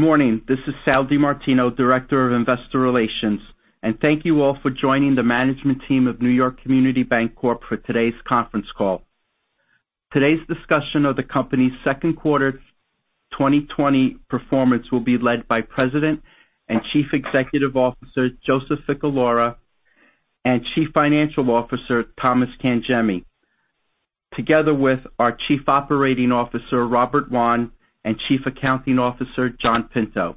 Good morning. This is Sal DiMartino, Director of Investor Relations, and thank you all for joining the management team of New York Community Bancorp for today's conference call. Today's discussion of the company's Q2 2020 performance will be led by President and Chief Executive Officer Joseph Ficalora and Chief Financial Officer Thomas Cangemi, together with our Chief Operating Officer Robert Wann and Chief Accounting Officer John Pinto.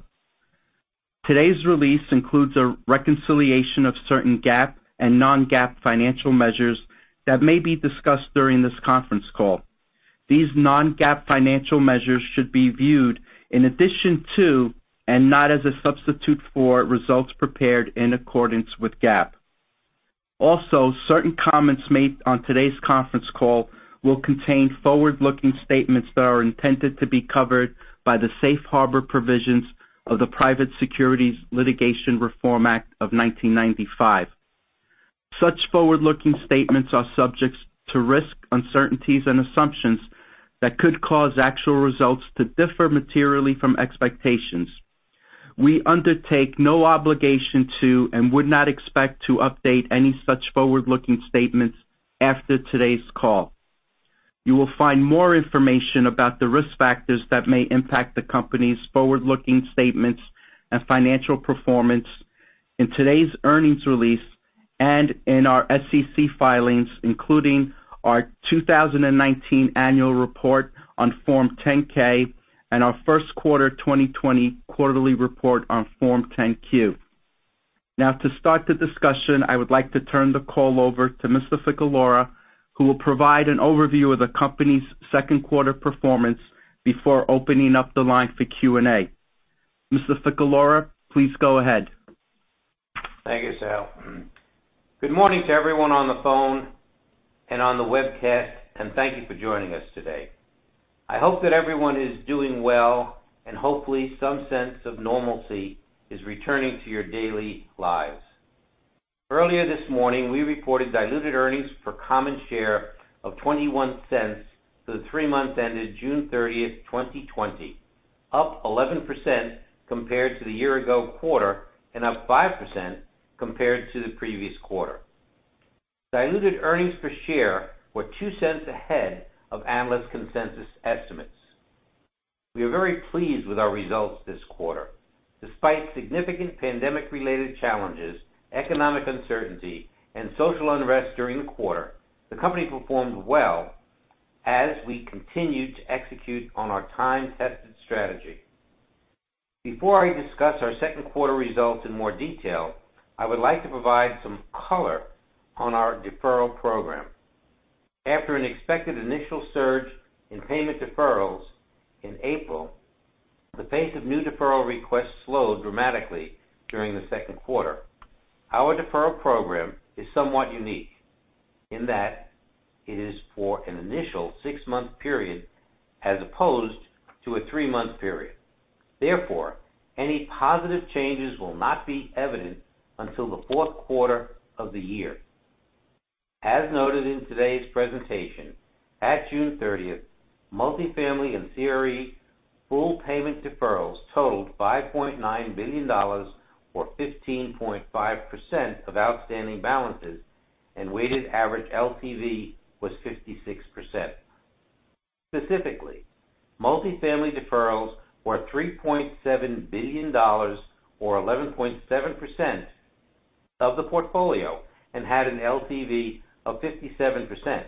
Today's release includes a reconciliation of certain GAAP and non-GAAP financial measures that may be discussed during this conference call. These non-GAAP financial measures should be viewed in addition to, and not as a substitute for, results prepared in accordance with GAAP. Also, certain comments made on today's conference call will contain forward-looking statements that are intended to be covered by the safe harbor provisions of the Private Securities Litigation Reform Act of 1995. Such forward-looking statements are subject to risk, uncertainties, and assumptions that could cause actual results to differ materially from expectations. We undertake no obligation to and would not expect to update any such forward-looking statements after today's call. You will find more information about the risk factors that may impact the company's forward-looking statements and financial performance in today's earnings release and in our SEC filings, including our 2019 annual report on Form 10-K and our Q1 2020 quarterly report on Form 10-Q. Now, to start the discussion, I would like to turn the call over to Mr. Ficalora, who will provide an overview of the company's Q2 performance before opening up the line for Q&A. Mr. Ficalora, please go ahead. Thank you, Sal. Good morning to everyone on the phone and on the webcast, and thank you for joining us today. I hope that everyone is doing well, and hopefully some sense of normalcy is returning to your daily lives. Earlier this morning, we reported diluted earnings per common share of $0.21 for the three months ended June 30, 2020, up 11% compared to the year-ago quarter and up 5% compared to the previous quarter. Diluted earnings per share were $0.02 ahead of analyst consensus estimates. We are very pleased with our results this quarter. Despite significant pandemic-related challenges, economic uncertainty, and social unrest during the quarter, the company performed well as we continued to execute on our time-tested strategy. Before I discuss our Q2 results in more detail, I would like to provide some color on our deferral program. After an expected initial surge in payment deferrals in April, the pace of new deferral requests slowed dramatically during the Q2. Our deferral program is somewhat unique in that it is for an initial six-month period as opposed to a three-month period. Therefore, any positive changes will not be evident until the Q4 of the year. As noted in today's presentation, at June 30, multifamily and CRE full payment deferrals totaled $5.9 billion, or 15.5% of outstanding balances, and weighted average LTV was 56%. Specifically, multifamily deferrals were $3.7 billion, or 11.7% of the portfolio, and had an LTV of 57%,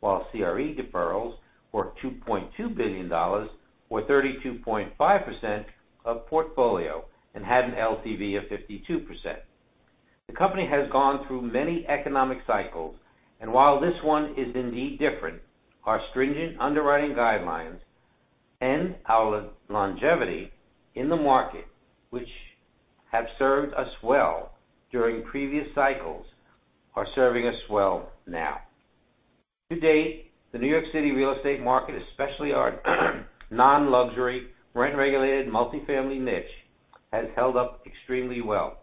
while CRE deferrals were $2.2 billion, or 32.5% of portfolio, and had an LTV of 52%. The company has gone through many economic cycles, and while this one is indeed different, our stringent underwriting guidelines and our longevity in the market, which have served us well during previous cycles, are serving us well now. To date, the New York City real estate market, especially our non-luxury rent-regulated multifamily niche, has held up extremely well.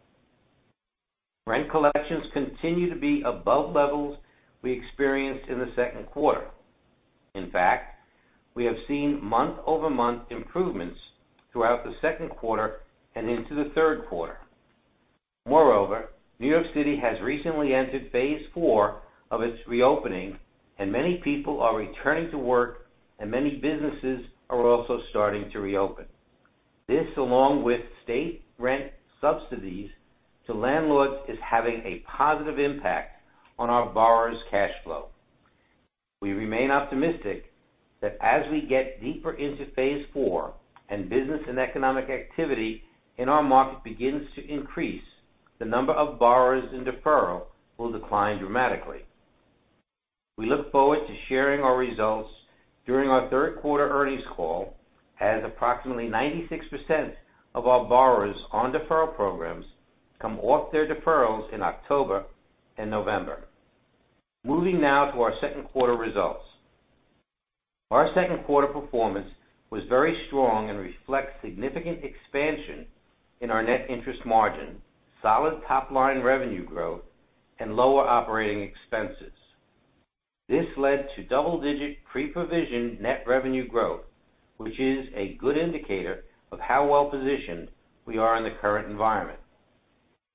Rent collections continue to be above levels we experienced in the Q2. In fact, we have seen month-over-month improvements throughout the Q2 and into the Q2. Moreover, New York City has recently entered phase four of its reopening, and many people are returning to work, and many businesses are also starting to reopen. This, along with state rent subsidies to landlords, is having a positive impact on our borrowers' cash flow. We remain optimistic that as we get deeper into phase four and business and economic activity in our market begins to increase, the number of borrowers in deferral will decline dramatically. We look forward to sharing our results during our Q3 earnings call as approximately 96% of our borrowers on deferral programs come off their deferrals in October and November. Moving now to our Q2 results. Our Q3 performance was very strong and reflects significant expansion in our net interest margin, solid top-line revenue growth, and lower operating expenses. This led to double-digit pre-provision net revenue growth, which is a good indicator of how well-positioned we are in the current environment.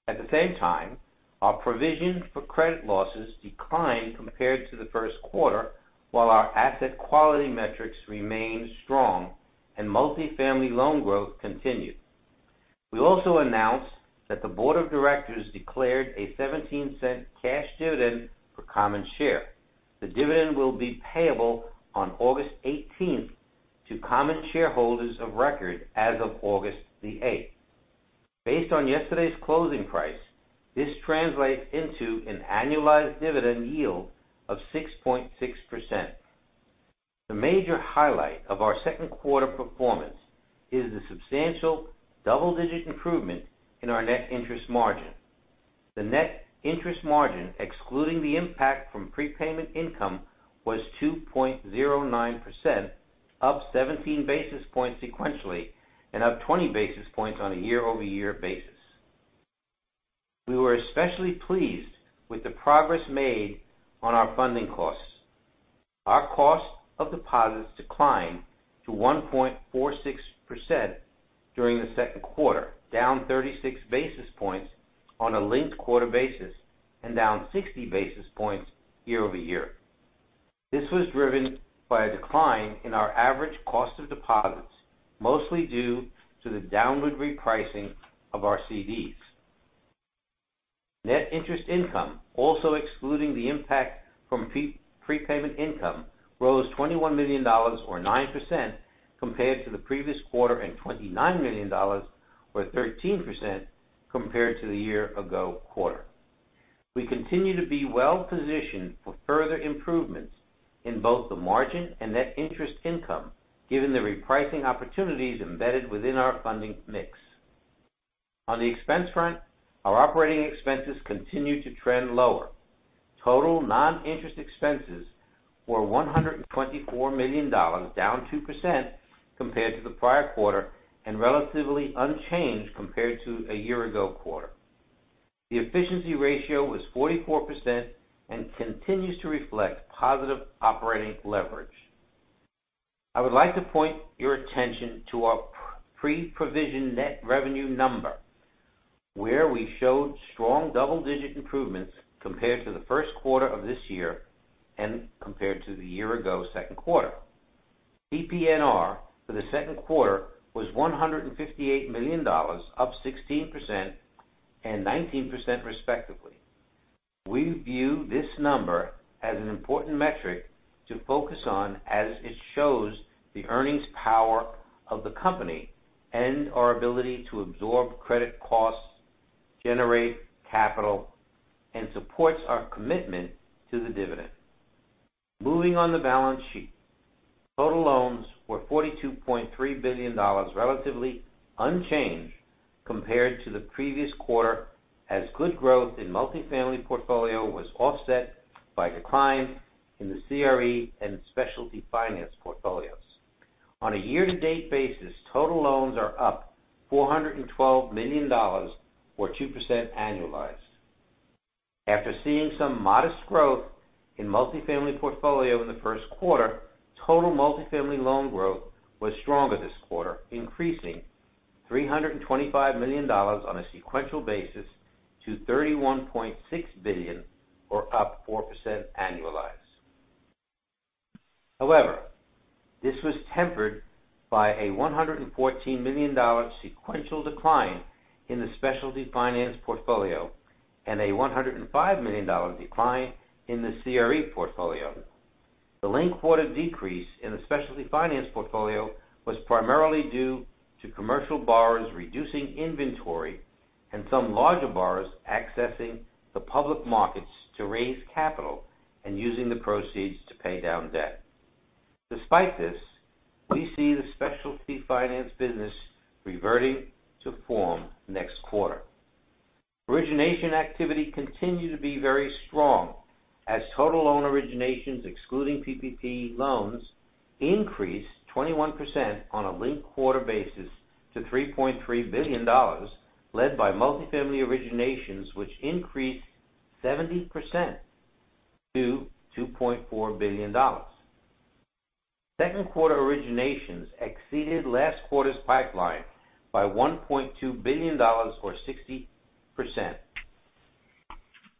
At the same time, our provision for credit losses declined compared to the Q1, while our asset quality metrics remained strong and multifamily loan growth continued. We also announced that the board of directors declared a $0.17 cash dividend for common share. The dividend will be payable on August 18 to common shareholders of record as of August the 8th. Based on yesterday's closing price, this translates into an annualized dividend yield of 6.6%. The major highlight of our Q2 performance is the substantial double-digit improvement in our net interest margin. The net interest margin, excluding the impact from prepayment income, was 2.09%, up 17 basis points sequentially and up 20 basis points on a year-over-year basis. We were especially pleased with the progress made on our funding costs. Our cost of deposits declined to 1.46% during the Q2, down 36 basis points on a linked quarter basis and down 60 basis points year-over-year. This was driven by a decline in our average cost of deposits, mostly due to the downward repricing of our CDs. Net interest income, also excluding the impact from prepayment income, rose $21 million, or 9%, compared to the previous quarter and $29 million, or 13%, compared to the year-ago quarter. We continue to be well-positioned for further improvements in both the margin and net interest income, given the repricing opportunities embedded within our funding mix. On the expense front, our operating expenses continue to trend lower. Total non-interest expenses were $124 million, down 2% compared to the prior quarter, and relatively unchanged compared to a year-ago quarter. The efficiency ratio was 44% and continues to reflect positive operating leverage. I would like to point your attention to our pre-provision net revenue number, where we showed strong double-digit improvements compared to the Q1 of this year and compared to the year-ago Q2. PPNR for the Q2 was $158 million, up 16% and 19%, respectively. We view this number as an important metric to focus on as it shows the earnings power of the company and our ability to absorb credit costs, generate capital, and supports our commitment to the dividend. Moving on the balance sheet, total loans were $42.3 billion, relatively unchanged compared to the previous quarter, as good growth in multifamily portfolio was offset by decline in the CRE and specialty finance portfolios. On a year-to-date basis, total loans are up $412 million, or 2% annualized. After seeing some modest growth in multifamily portfolio in the Q1, total multifamily loan growth was stronger this quarter, increasing $325 million on a sequential basis to $31.6 billion, or up 4% annualized. However, this was tempered by a $114 million sequential decline in the specialty finance portfolio and a $105 million decline in the CRE portfolio. The linked quarter decrease in the specialty finance portfolio was primarily due to commercial borrowers reducing inventory and some larger borrowers accessing the public markets to raise capital and using the proceeds to pay down debt. Despite this, we see the specialty finance business reverting to form next quarter. Origination activity continued to be very strong as total loan originations, excluding PPP loans, increased 21% on a linked quarter basis to $3.3 billion, led by multifamily originations, which increased 70% to $2.4 billion. Q2 originations exceeded last quarter's pipeline by $1.2 billion, or 60%.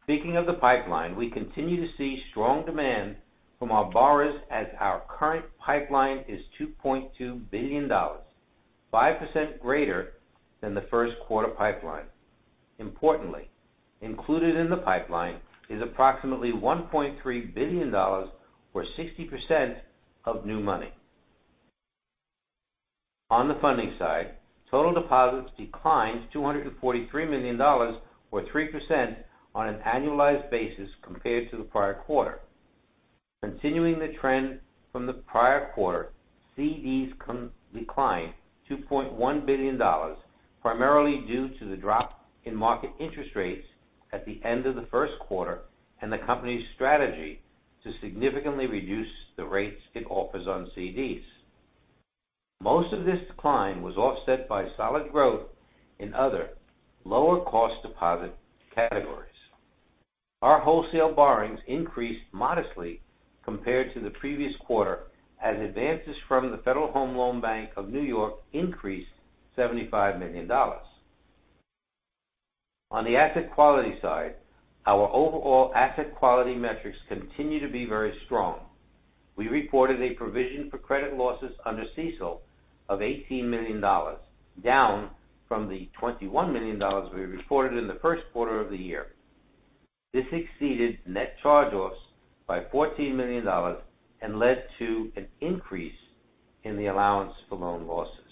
Speaking of the pipeline, we continue to see strong demand from our borrowers as our current pipeline is $2.2 billion, 5% greater than the Q1 pipeline. Importantly, included in the pipeline is approximately $1.3 billion, or 60% of new money. On the funding side, total deposits declined $243 million, or 3% on an annualized basis compared to the prior quarter. Continuing the trend from the prior quarter, CDs declined $2.1 billion, primarily due to the drop-in market interest rates at the end of the Q1 and the company's strategy to significantly reduce the rates it offers on CDs. Most of this decline was offset by solid growth in other lower-cost deposit categories. Our wholesale borrowings increased modestly compared to the previous quarter as advances from the Federal Home Loan Bank of New York increased $75 million. On the asset quality side, our overall asset quality metrics continue to be very strong. We reported a provision for credit losses under CECL of $18 million, down from the $21 million we reported in the Q1 of the year. This exceeded net charge-offs by $14 million and led to an increase in the allowance for loan losses.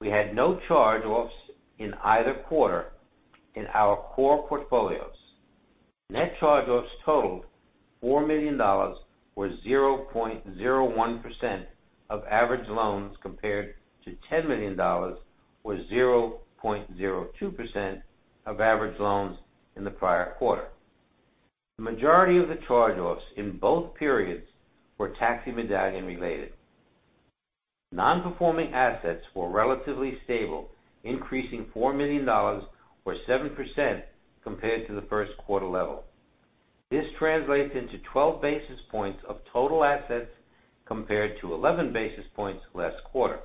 We had no charge-offs in either quarter in our core portfolios. Net charge-offs totaled $4 million, or 0.01% of average loans, compared to $10 million, or 0.02% of average loans in the prior quarter. The majority of the charge-offs in both periods were tax-and-medallion related. Non-performing assets were relatively stable, increasing $4 million, or 7%, compared to the Q3 level. This translates into 12 basis points of total assets compared to 11 basis points last quarter.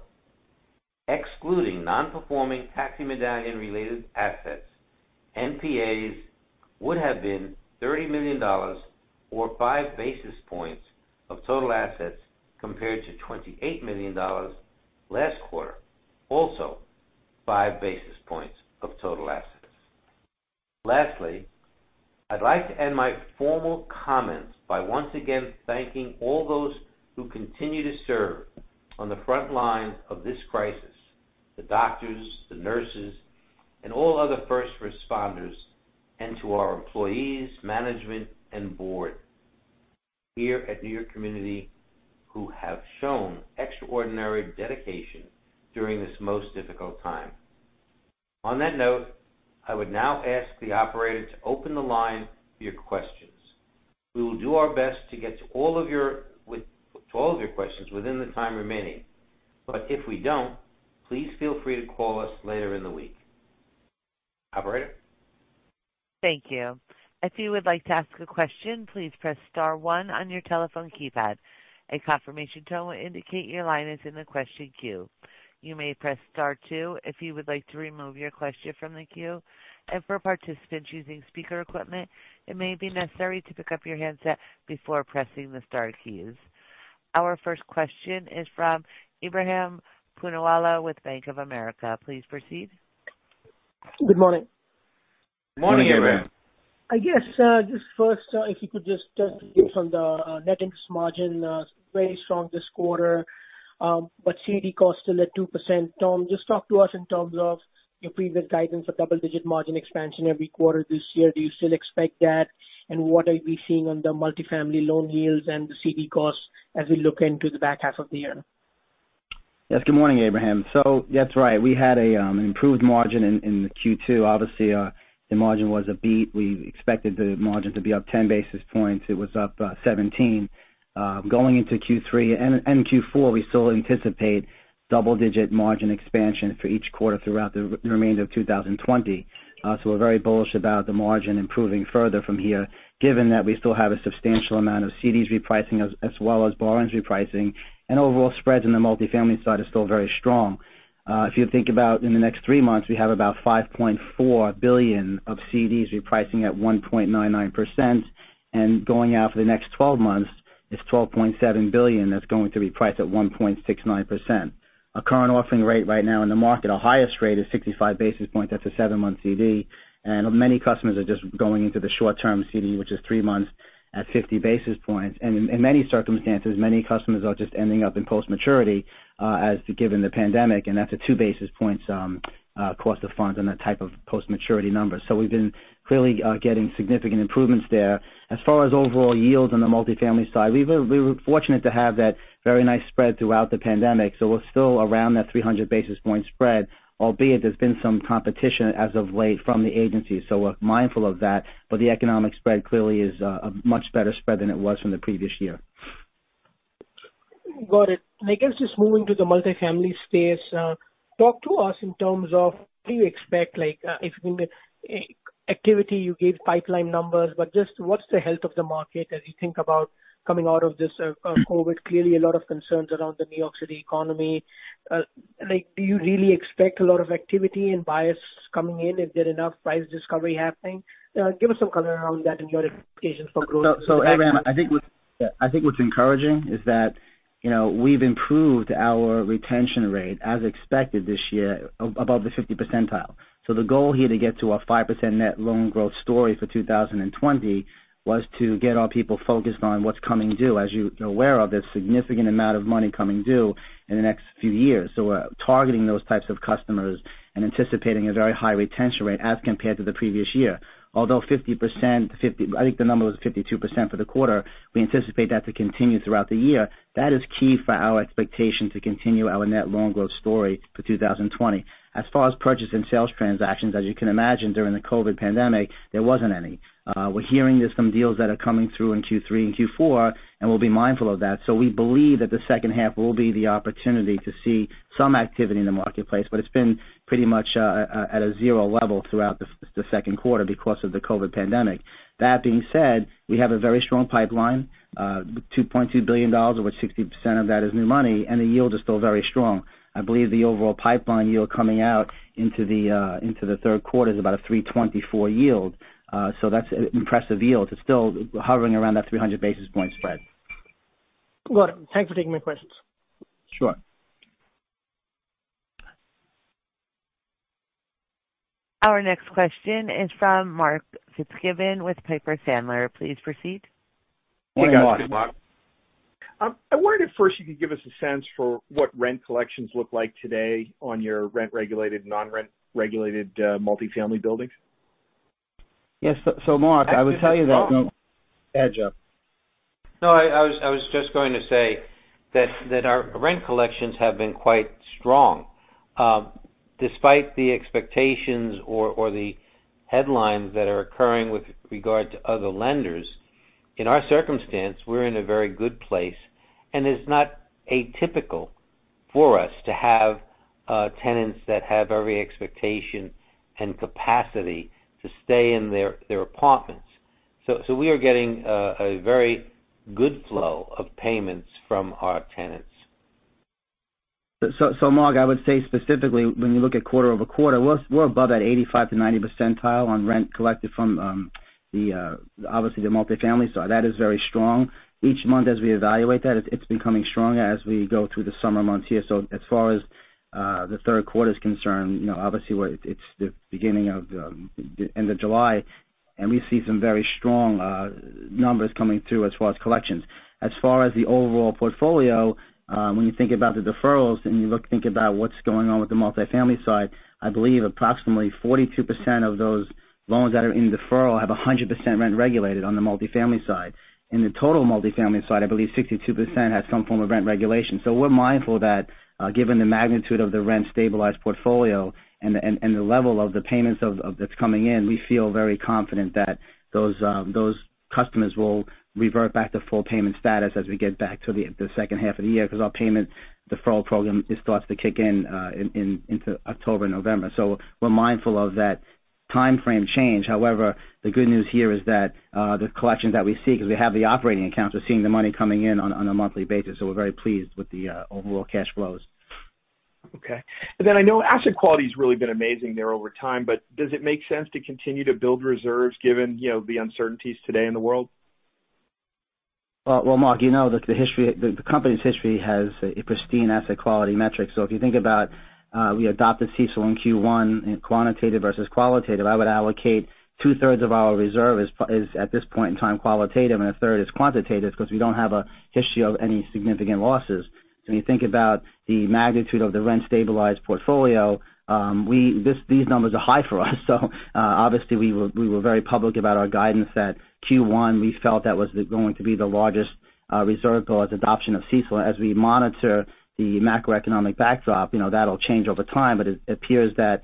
Excluding non-performing tax-and-medallion related assets, NPAs would have been $30 million, or 5 basis points of total assets compared to $28 million last quarter, also 5 basis points of total assets. Lastly, I'd like to end my formal comments by once again thanking all those who continue to serve on the front line of this crisis: the doctors, the nurses, and all other first responders, and to our employees, management, and board here at New York Community who have shown extraordinary dedication during this most difficult time. On that note, I would now ask the operator to open the line for your questions. We will do our best to get to all of your questions within the time remaining, but if we don't, please feel free to call us later in the week. Operator? Thank you. If you would like to ask a question, please press Star 1 on your telephone keypad. A confirmation tone will indicate your line is in the question queue. You may press Star 2 if you would like to remove your question from the queue. And for participants using speaker equipment, it may be necessary to pick up your headset before pressing the Star keys. Our first question is from Ebrahim Poonawala with Bank of America. Please proceed. Good morning. Morning, Ebrahim. Yes. Just first, if you could just speak from the net interest margin, very strong this quarter, but CD costs still at 2%. Tom, just talk to us in terms of your previous guidance for double-digit margin expansion every quarter this year. Do you still expect that? What are we seeing on the multifamily loan yields and the CD costs as we look into the back half of the year? Yes. Good morning, Ebrahim. So that's right. We had an improved margin in Q2. Obviously, the margin was a beat. We expected the margin to be up 10 basis points. It was up 17. Going into Q3 and Q4, we still anticipate double-digit margin expansion for each quarter throughout the remainder of 2020. So we're very bullish about the margin improving further from here, given that we still have a substantial amount of CDs repricing as well as borrowings repricing. And overall spreads on the multifamily side are still very strong. If you think about in the next three months, we have about $5.4 billion of CDs repricing at 1.99%. And going out for the next 12 months, it's $12.7 billion that's going to reprice at 1.69%. Our current offering rate right now in the market, our highest rate is 65 basis points. That's a seven-month CD, and many customers are just going into the short-term CD, which is three months at 50 basis points. And in many circumstances, many customers are just ending up in post-maturity given the pandemic, and that's a two-basis-point cost of funds on that type of post-maturity number, so we've been clearly getting significant improvements there. As far as overall yields on the multifamily side, we were fortunate to have that very nice spread throughout the pandemic, so we're still around that 300 basis-point spread, albeit there's been some competition as of late from the agency, so we're mindful of that. But the economic spread clearly is a much better spread than it was from the previous year. Got it. And I guess just moving to the multifamily space, talk to us in terms of what do you expect? If you mean the activity, you gave pipeline numbers, but just what's the health of the market as you think about coming out of this COVID? Clearly, a lot of concerns around the New York City economy. Do you really expect a lot of activity and buyers coming in? Is there enough price discovery happening? Give us some color around that and your expectations for growth. So Ebrahim, I think what's encouraging is that we've improved our retention rate as expected this year, above the 50th percentile. So, the goal here to get to our 5% net loan growth story for 2020 was to get our people focused on what's coming due. As you're aware of, there's a significant amount of money coming due in the next few years. So we're targeting those types of customers and anticipating a very high retention rate as compared to the previous year. Although 50%, I think the number was 52% for the quarter, we anticipate that to continue throughout the year. That is key for our expectation to continue our net loan growth story for 2020. As far as purchase and sales transactions, as you can imagine, during the COVID pandemic, there wasn't any. We're hearing there's some deals that are coming through in Q3 and Q4, and we'll be mindful of that. So we believe that the second half will be the opportunity to see some activity in the marketplace, but it's been pretty much at a zero level throughout the Q2 because of the COVID pandemic. That being said, we have a very strong pipeline, $2.2 billion, of which 60% of that is new money, and the yield is still very strong. I believe the overall pipeline yield coming out into the Q3 is about a 3.24 yield, so that's an impressive yield. It's still hovering around that 300 basis-point spread. Got it. Thanks for taking my questions. Sure. Our next question is from Mark Fitzgibbon with Piper Sandler. Please proceed. Morning, mark. I wondered if first you could give us a sense for what rent collections look like today on your rent-regulated, non-rent-regulated multifamily buildings. Yes, so Mark, I would tell you that. Go ahead, Jeff. No, I was just going to say that our rent collections have been quite strong. Despite the expectations or the headlines that are occurring with regard to other lenders, in our circumstance, we're in a very good place. It's not atypical for us to have tenants that have every expectation and capacity to stay in their apartments. We are getting a very good flow of payments from our tenants. Mark, I would say specifically, when you look at quarter over quarter, we're above that 85-90 percentile on rent collected from, obviously, the multifamily. That is very strong. Each month, as we evaluate that, it's becoming stronger as we go through the summer months here. As far as the Q3 is concerned, obviously, it's the beginning of the end of July, and we see some very strong numbers coming through as far as collections. As far as the overall portfolio, when you think about the deferrals and you think about what's going on with the multifamily side, I believe approximately 42% of those loans that are in deferral have 100% rent-regulated on the multifamily side, and the total multifamily side, I believe 62% has some form of rent regulation. So we're mindful that given the magnitude of the rent-stabilized portfolio and the level of the payments that's coming in, we feel very confident that those customers will revert back to full payment status as we get back to the second half of the year because our payment deferral program starts to kick in into October and November, so we're mindful of that timeframe change. However, the good news here is that the collections that we see, because we have the operating accounts, we're seeing the money coming in on a monthly basis. So we're very pleased with the overall cash flows. Okay. And then I know asset quality has really been amazing there over time, but does it make sense to continue to build reserves given the uncertainties today in the world? Well, Mark, you know the company's history has a pristine asset quality metric. So if you think about we adopted CECL in Q1, quantitative versus qualitative, I would allocate two-thirds of our reserve at this point in time qualitative and a third as quantitative because we don't have a history of any significant losses. So when you think about the magnitude of the rent-stabilized portfolio, these numbers are high for us. So obviously, we were very public about our guidance that Q1, we felt that was going to be the largest reserve as adoption of CECL. As we monitor the macroeconomic backdrop, that'll change over time. But it appears that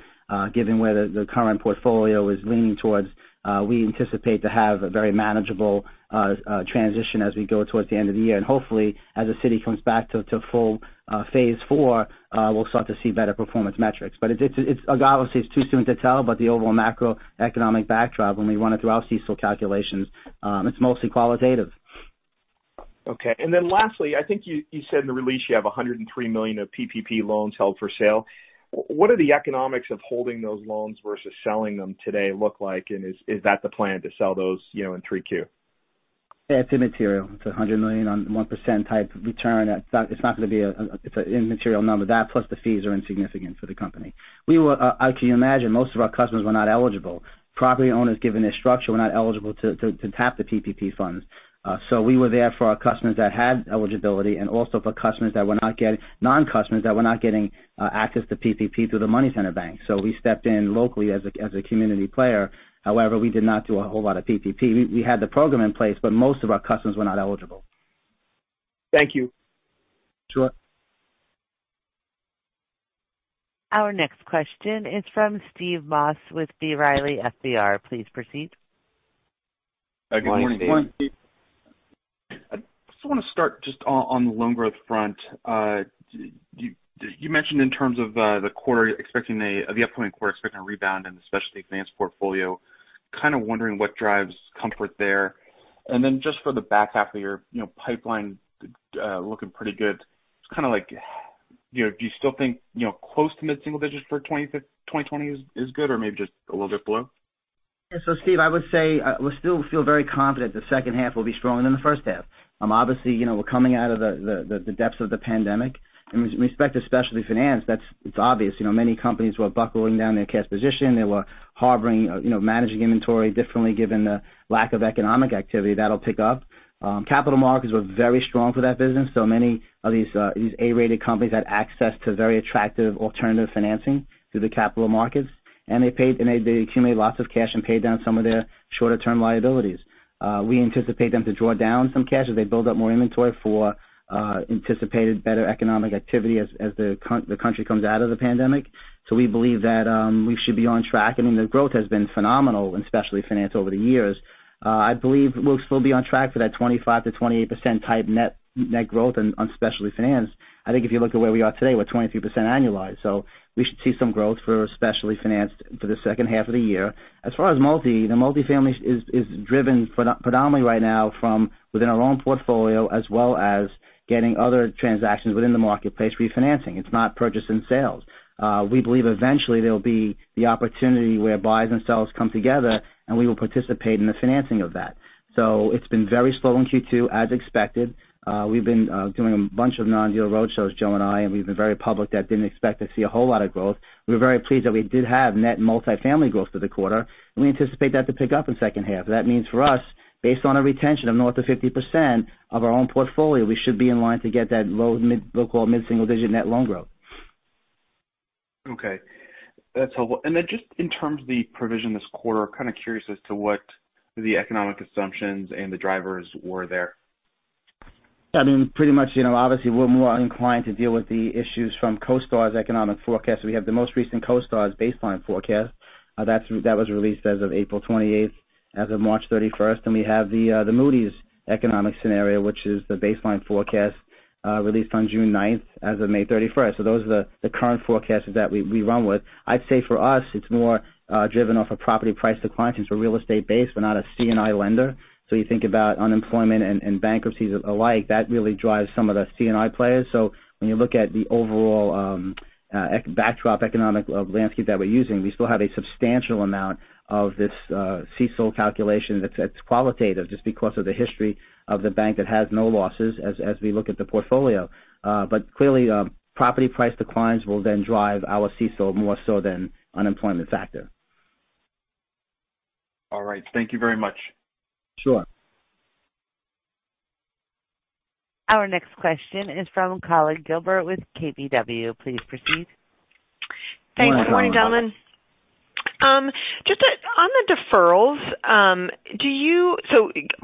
given where the current portfolio is leaning towards, we anticipate to have a very manageable transition as we go towards the end of the year. And hopefully, as the city comes back to full phase four, we'll start to see better performance metrics. But obviously, it's too soon to tell, but the overall macroeconomic backdrop when we run it through our CECL calculations, it's mostly qualitative. Okay. And then lastly, I think you said in the release you have $103 million of PPP loans held for sale. What are the economics of holding those loans versus selling them today look like? And is that the plan to sell those in Q3? It's immaterial. It's a $100 million on 1% type return. It's not going to be an immaterial number. That plus the fees are insignificant for the company. As you can imagine, most of our customers were not eligible. Property owners, given their structure, were not eligible to tap the PPP funds. So we were there for our customers that had eligibility and also for customers that were not getting non-customers that were not getting access to PPP through the Money Center Bank. So we stepped in locally as a community player. However, we did not do a whole lot of PPP. We had the program in place, but most of our customers were not eligible. Thank you. Sure. Our next question is from Steve Moss with B. Riley FBR. Please proceed. Good morning. I just want to start just on the loan growth front. You mentioned in terms of the quarter, the upcoming quarter expecting a rebound in the specialty finance portfolio. Kind of wondering what drives comfort there. And then, just for the back half of your pipeline looking pretty good, it's kind of like, do you still think close to mid-single digits for 2020 is good or maybe just a little bit below? So, Steve, I would say we still feel very confident the second half will be stronger than the first half. Obviously, we're coming out of the depths of the pandemic. And with respect to specialty finance, it's obvious many companies were building up their cash position. They were managing inventory differently given the lack of economic activity that'll pick up. Capital markets were very strong for that business. So many of these A-rated companies had access to very attractive alternative financing through the capital markets. And they accumulated lots of cash and paid down some of their shorter-term liabilities. We anticipate them to draw down some cash as they build up more inventory for anticipated better economic activity as the country comes out of the pandemic. So we believe that we should be on track. I mean, the growth has been phenomenal in Specialty Finance over the years. I believe we'll still be on track for that 25%-28% type net growth on Specialty Finance. I think if you look at where we are today, we're 23% annualized. So we should see some growth for Specialty Finance for the second half of the year. As far as multi, the Multifamily is driven predominantly right now from within our own portfolio as well as getting other transactions within the marketplace refinancing. It's not purchase and sales. We believe eventually there will be the opportunity where buys and sales come together, and we will participate in the financing of that. So it's been very slow in Q2, as expected. We've been doing a bunch of non-deal road shows, Joe and I, and we've been very public that we didn't expect to see a whole lot of growth. We're very pleased that we did have net multifamily growth through the quarter. We anticipate that to pick up in second half. That means for us, based on a retention of north of 50% of our own portfolio, we should be in line to get that low-to-mid-single digit net loan growth. Okay. That's helpful. And then just in terms of the provision this quarter, kind of curious as to what the economic assumptions and the drivers were there. I mean, pretty much, obviously, we're more inclined to deal with the issues from CoStar's economic forecast. We have the most recent CoStar's baseline forecast. That was released as of April 28th, as of March 31st, and we have the Moody's economic scenario, which is the baseline forecast released on June 9th, as of May 31st. Those are the current forecasts that we run with. I'd say for us, it's more driven off of property price decline. Since we're real estate-based, we're not a C&I lender. You think about unemployment and bankruptcies alike, that really drives some of the C&I players. When you look at the overall backdrop economic landscape that we're using, we still have a substantial amount of this CECL calculation that's qualitative just because of the history of the bank that has no losses as we look at the portfolio. But clearly, property price declines will then drive our CECL more so than unemployment factor. All right. Thank you very much. Sure. Our next question is from Collyn Gilbert with KBW. Please proceed. Thanks. Good morning, gentlemen. Good morning. Just on the deferrals, do you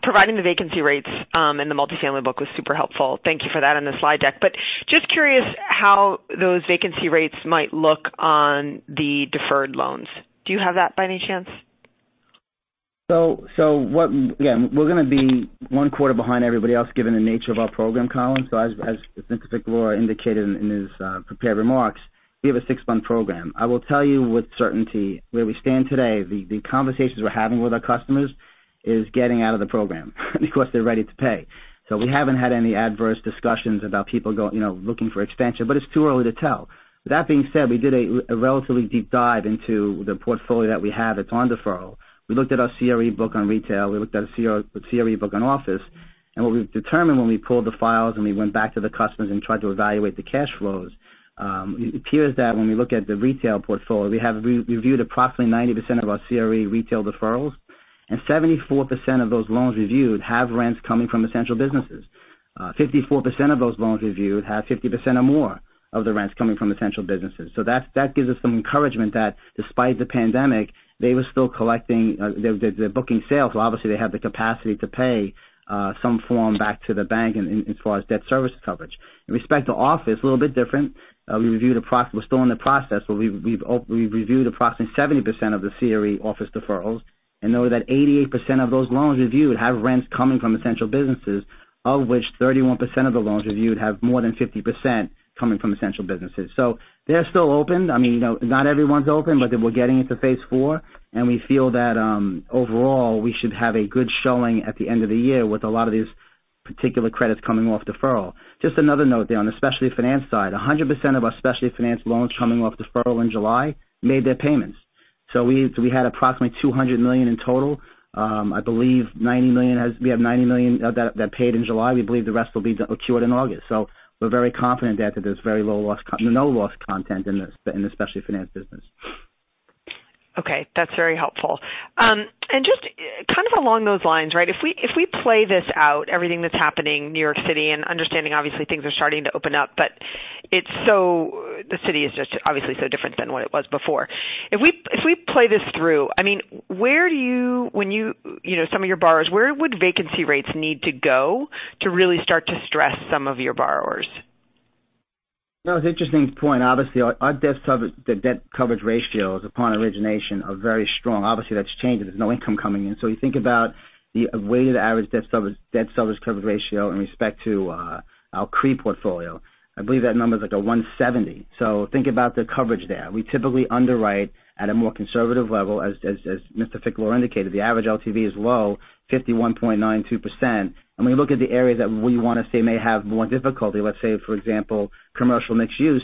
providing the vacancy rates in the multifamily book was super helpful. Thank you for that on the slide deck. But just curious how those vacancy rates might look on the deferred loans. Do you have that by any chance? So again, we're going to be one quarter behind everybody else given the nature of our program, Collyn. So as Mr. Ficalora indicated in his prepared remarks, we have a six-month program. I will tell you with certainty where we stand today, the conversations we're having with our customers is getting out of the program because they're ready to pay. So we haven't had any adverse discussions about people looking for extension, but it's too early to tell. That being said, we did a relatively deep dive into the portfolio that we have that's on deferral. We looked at our CRE book on retail. We looked at our CRE book on office. And what we've determined when we pulled the files and we went back to the customers and tried to evaluate the cash flows, it appears that when we look at the retail portfolio, we have reviewed approximately 90% of our CRE retail deferrals. And 74% of those loans reviewed have rents coming from essential businesses. 54% of those loans reviewed have 50% or more of the rents coming from essential businesses. So that gives us some encouragement that despite the pandemic, they were still collecting their booking sales. Obviously, they have the capacity to pay some form back to the bank as far as debt service coverage. With respect to office, a little bit different. We're still in the process, but we've reviewed approximately 70% of the CRE office deferrals, and noted that 88% of those loans reviewed have rents coming from essential businesses, of which 31% of the loans reviewed have more than 50% coming from essential businesses, so they're still open. I mean, not everyone's open, but we're getting into phase four, and we feel that overall, we should have a good showing at the end of the year with a lot of these particular credits coming off deferral. Just another note there on the specialty finance side, 100% of our specialty finance loans coming off deferral in July made their payments, so we had approximately $200 million in total. I believe we have $90 million that paid in July. We believe the rest will be accrued in August. So we're very confident that there's very low loss content in the specialty finance business. Okay. That's very helpful. And just kind of along those lines, right, if we play this out, everything that's happening in New York City and understanding, obviously, things are starting to open up, but the city is just obviously so different than what it was before. If we play this through, I mean, where do you, some of your borrowers, where would vacancy rates need to go to really start to stress some of your borrowers? That was an interesting point. Obviously, our debt coverage ratios upon origination are very strong. Obviously, that's changed because there's no income coming in. So you think about the weighted average debt service coverage ratio in respect to our CRE portfolio. I believe that number is like a 170, so think about the coverage there. We typically underwrite at a more conservative level. As Mr. Ficalora indicated, the average LTV is low, 51.92%. When you look at the areas that we want to say may have more difficulty, let's say, for example, commercial mixed use,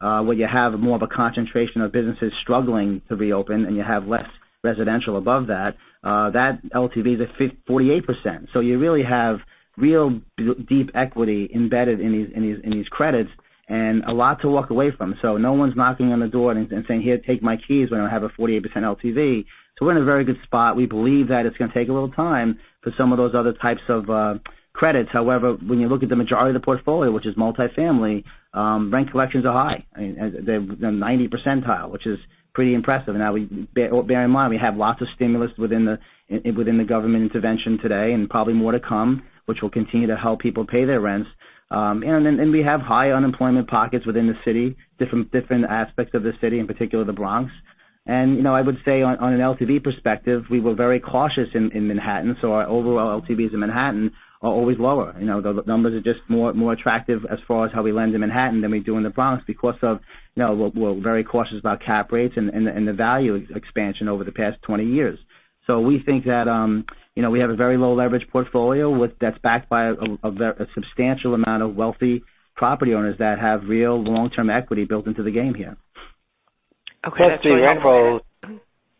where you have more of a concentration of businesses struggling to reopen and you have less residential above that, that LTV is at 48%. You really have really deep equity embedded in these credits and a lot to walk away from, so no one's knocking on the door and saying, "Here, take my keys when I have a 48% LTV." We're in a very good spot. We believe that it's going to take a little time for some of those other types of credits. However, when you look at the majority of the portfolio, which is multifamily, rent collections are high. They're 90th percentile, which is pretty impressive. Now, bear in mind, we have lots of stimulus within the government intervention today and probably more to come, which will continue to help people pay their rents. And we have high unemployment pockets within the city, different aspects of the city, in particular the Bronx. And I would say on an LTV perspective, we were very cautious in Manhattan. So our overall LTVs in Manhattan are always lower. The numbers are just more attractive as far as how we lend in Manhattan than we do in the Bronx because we're very cautious about cap rates and the value expansion over the past 20 years. So we think that we have a very low leverage portfolio that's backed by a substantial amount of wealthy property owners that have real long-term equity built into the game here. Okay. So your rent rolls,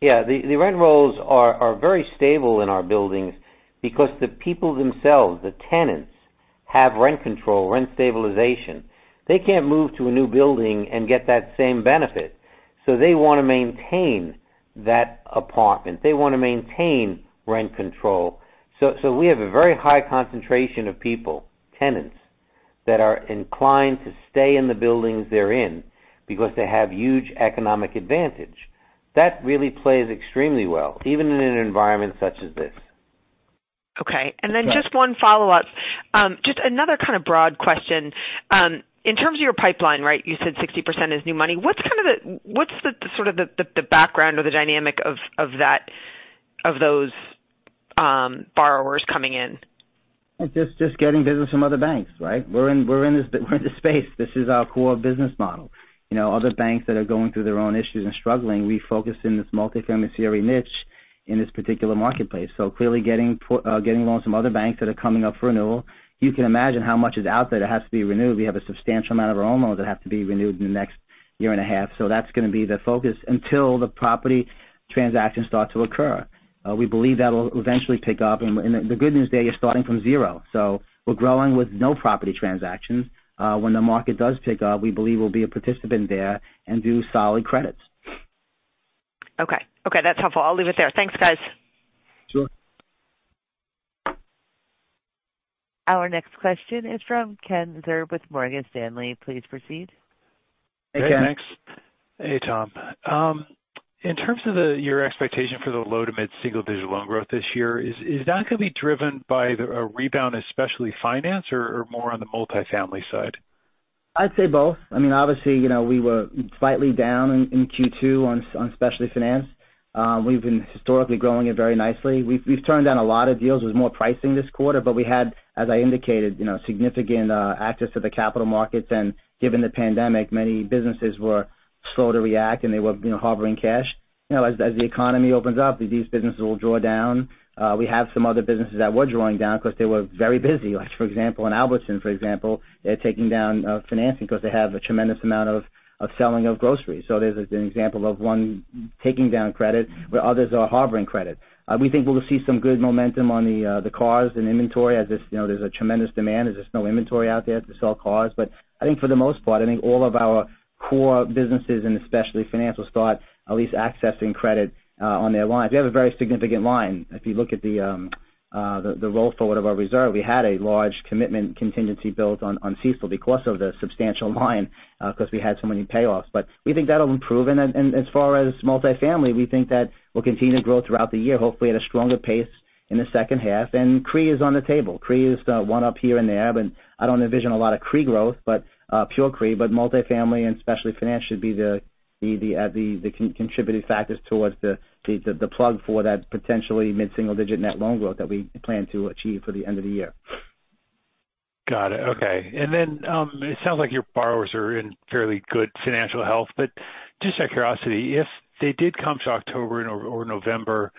yeah, the rent rolls are very stable in our buildings because the people themselves, the tenants, have rent control, rent stabilization. They can't move to a new building and get that same benefit. So they want to maintain that apartment. They want to maintain rent control. So we have a very high concentration of people, tenants, that are inclined to stay in the buildings they're in because they have huge economic advantage. That really plays extremely well, even in an environment such as this. Okay. And then just one follow-up. Just another kind of broad question. In terms of your pipeline, right, you said 60% is new money. What's sort of the background or the dynamic of those borrowers coming in? Just getting business from other banks, right? We're in this space. This is our core business model. Other banks that are going through their own issues and struggling, we focus in this multifamily CRE niche in this particular marketplace. So clearly getting loans from other banks that are coming up for renewal, you can imagine how much is out there that has to be renewed. We have a substantial amount of our own loans that have to be renewed in the next year and a half. So that's going to be the focus until the property transactions start to occur. We believe that will eventually pick up. And the good news there, you're starting from zero. So we're growing with no property transactions. When the market does pick up, we believe we'll be a participant there and do solid credits. Okay. Okay. That's helpful. I'll leave it there. Thanks, guys. Sure. Our next question is from Ken Zerbe with Morgan Stanley. Please proceed. Hey, Ken. Hey, thanks. Hey, Thomas. In terms of your expectation for the low- to mid-single-digit loan growth this year, is that going to be driven by a rebound in specialty finance or more on the multifamily side? I'd say both. I mean, obviously, we were slightly down in Q2 on specialty finance. We've been historically growing it very nicely. We've turned down a lot of deals with more pricing this quarter, but we had, as I indicated, significant access to the capital markets. And given the pandemic, many businesses were slow to react, and they were harboring cash. As the economy opens up, these businesses will draw down. We have some other businesses that were drawing down because they were very busy. For example, in Albertsons, for example, they're taking down financing because they have a tremendous amount of selling of groceries. So there's an example of one taking down credit where others are hoarding credit. We think we'll see some good momentum on the cars and inventory as there's a tremendous demand. There's just no inventory out there to sell cars. But I think for the most part, I think all of our core businesses and especially financials start at least accessing credit on their lines. We have a very significant line. If you look at the roll forward of our reserve, we had a large commitment contingency built on CECL because of the substantial line because we had so many payoffs. But we think that'll improve. And as far as multifamily, we think that we'll continue to grow throughout the year, hopefully at a stronger pace in the second half. And CRE is on the table. CRE is one up here and there, but I don't envision a lot of CRE growth, but pure CRE. But multifamily and specialty finance should be the contributing factors towards the plug for that potentially mid-single digit net loan growth that we plan to achieve for the end of the year. Got it. Okay. And then it sounds like your borrowers are in fairly good financial health. But just out of curiosity, if they did come to October or November,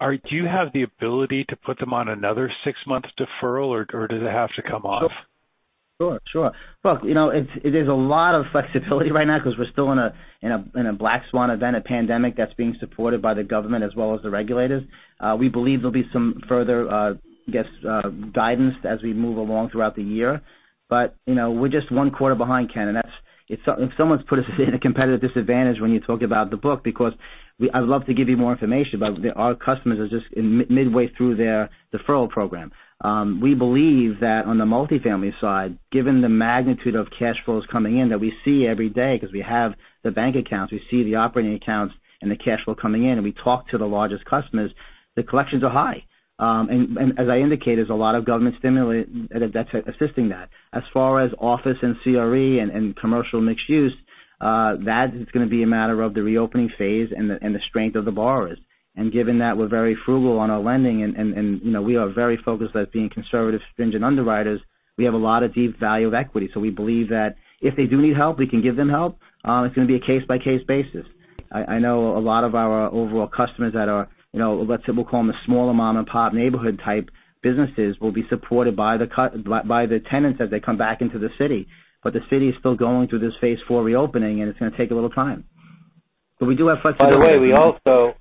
do you have the ability to put them on another six-month deferral, or does it have to come off? Sure. Sure. Look, there's a lot of flexibility right now because we're still in a black swan event, a pandemic that's being supported by the government as well as the regulators. We believe there'll be some further, I guess, guidance as we move along throughout the year. But we're just Q1 behind, Ken. And if someone's put us in a competitive disadvantage when you talk about the book because I'd love to give you more information, but our customers are just midway through their deferral program. We believe that on the multifamily side, given the magnitude of cash flows coming in that we see every day because we have the bank accounts, we see the operating accounts and the cash flow coming in, and we talk to the largest customers, the collections are high. And as I indicated, there's a lot of government stimuli that's assisting that. As far as office and CRE and commercial mixed use, that is going to be a matter of the reopening phase and the strength of the borrowers. And given that we're very frugal on our lending and we are very focused at being conservative stringent underwriters, we have a lot of deep value of equity. So we believe that if they do need help, we can give them help. It's going to be a case-by-case basis. I know a lot of our overall customers that are, let's say, we'll call them the small mom-and-pop neighborhood type businesses will be supported by the tenants as they come back into the city. But the city is still going through this phase four reopening, and it's going to take a little time. But we do have flexibility. By the way, we also,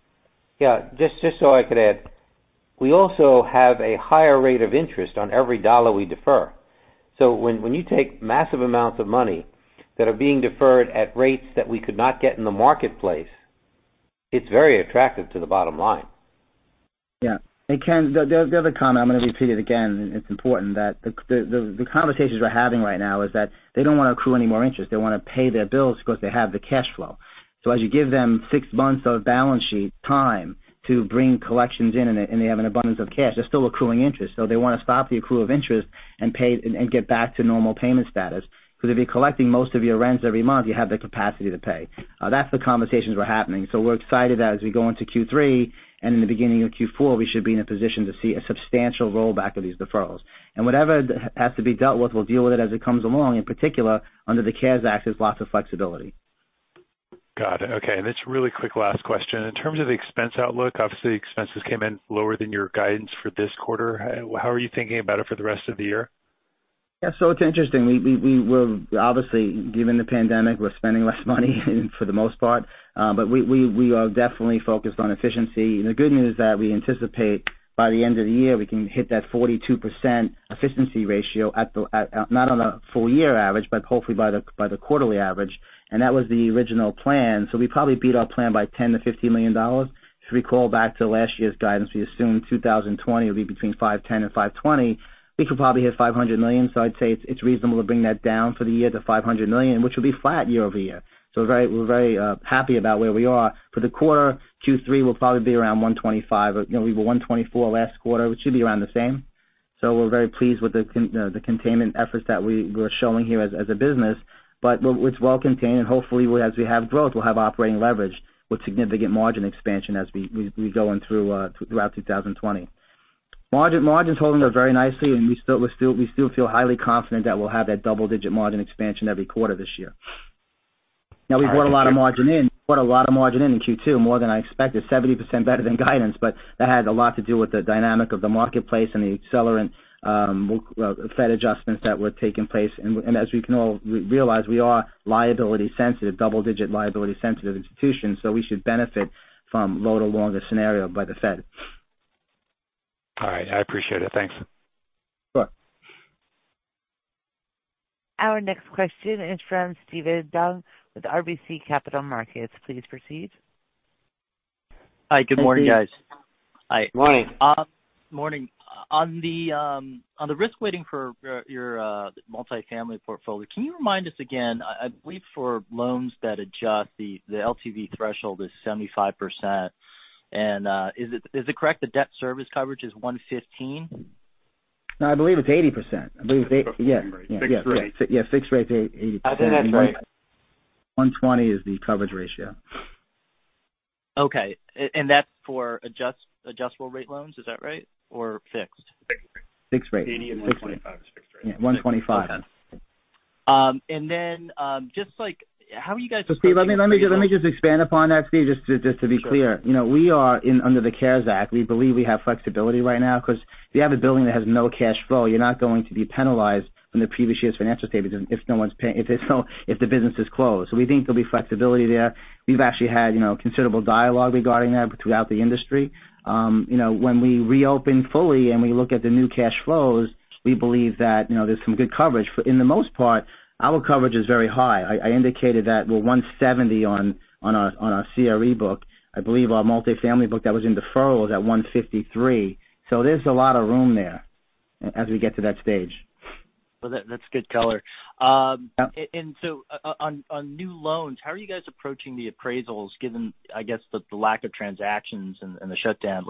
yeah, just so I could add, we also have a higher rate of interest on every dollar we defer. So when you take massive amounts of money that are being deferred at rates that we could not get in the marketplace, it's very attractive to the bottom line. Yeah, and Ken, the other comment, I'm going to repeat it again. It's important that the conversations we're having right now is that they don't want to accrue any more interest. They want to pay their bills because they have the cash flow. So as you give them six months of balance sheet time to bring collections in and they have an abundance of cash, they're still accruing interest. So they want to stop the accrual of interest and get back to normal payment status because if you're collecting most of your rents every month, you have the capacity to pay. That's the conversations we're having. So we're excited that as we go into Q3 and in the beginning of Q4, we should be in a position to see a substantial rollback of these deferrals. And whatever has to be dealt with, we'll deal with it as it comes along. In particular, under the CARES Act, there's lots of flexibility. Got it. Okay. And this really quick last question. In terms of the expense outlook, obviously, expenses came in lower than your guidance for this quarter. How are you thinking about it for the rest of the year? Yeah. So it's interesting. Obviously, given the pandemic, we're spending less money for the most part. But we are definitely focused on efficiency. The good news is that we anticipate by the end of the year, we can hit that 42% efficiency ratio, not on a full-year average, but hopefully by the quarterly average. And that was the original plan. So we probably beat our plan by $10 million-$15 million. If we call back to last year's guidance, we assumed 2020 would be between $510 million and $520 million. We could probably hit $500 million. So I'd say it's reasonable to bring that down for the year to $500 million, which would be flat year over year. So we're very happy about where we are. For the quarter, Q3 will probably be around $125 million. We were $124 million last quarter, which should be around the same. So we're very pleased with the containment efforts that we're showing here as a business. But it's well contained. Hopefully, as we have growth, we'll have operating leverage with significant margin expansion as we go throughout 2020. Margins holding up very nicely, and we still feel highly confident that we'll have that double-digit margin expansion every quarter this year. Now, we brought a lot of margin in. We brought a lot of margin in in Q2, more than I expected, 70% better than guidance. But that had a lot to do with the dynamic of the marketplace and the accelerant Fed adjustments that were taking place. And as we can all realize, we are liability-sensitive, double-digit liability-sensitive institutions. So we should benefit from low to longer scenario by the Fed. All right. I appreciate it. Thanks. Sure. Our next question is from Steven Duong with RBC Capital Markets. Please proceed. Hi. Good morning, guys. Hi. Morning. Morning. On the risk-weighting for your multifamily portfolio, can you remind us again? I believe for loans that adjust, the LTV threshold is 75%, and is it correct that debt service coverage is 115? No, I believe it's 80%. I believe it's 80. Yeah. Fixed rate. Yeah. Fixed rate. Yeah. Fixed rate's 80%. I think that's right. 120 is the coverage ratio. Okay, and that's for adjustable rate loans. Is that right? Or fixed? Fixed rate. 80 and 125 is fixed rate. Yeah. 125. Okay, and then just how are you guys? Steve, let me just expand upon that, Steve, just to be clear. We are under the CARES Act. We believe we have flexibility right now because if you have a building that has no cash flow, you're not going to be penalized from the previous year's financial statements if the business is closed. So we think there'll be flexibility there. We've actually had considerable dialogue regarding that throughout the industry. When we reopen fully and we look at the new cash flows, we believe that there's some good coverage. For the most part, our coverage is very high. I indicated that we're 170 on our CRE book. I believe our multifamily book that was in deferral was at 153. So there's a lot of room there as we get to that stage. Well, that's good color. And so on new loans, how are you guys approaching the appraisals given, I guess, the lack of transactions and the shutdown?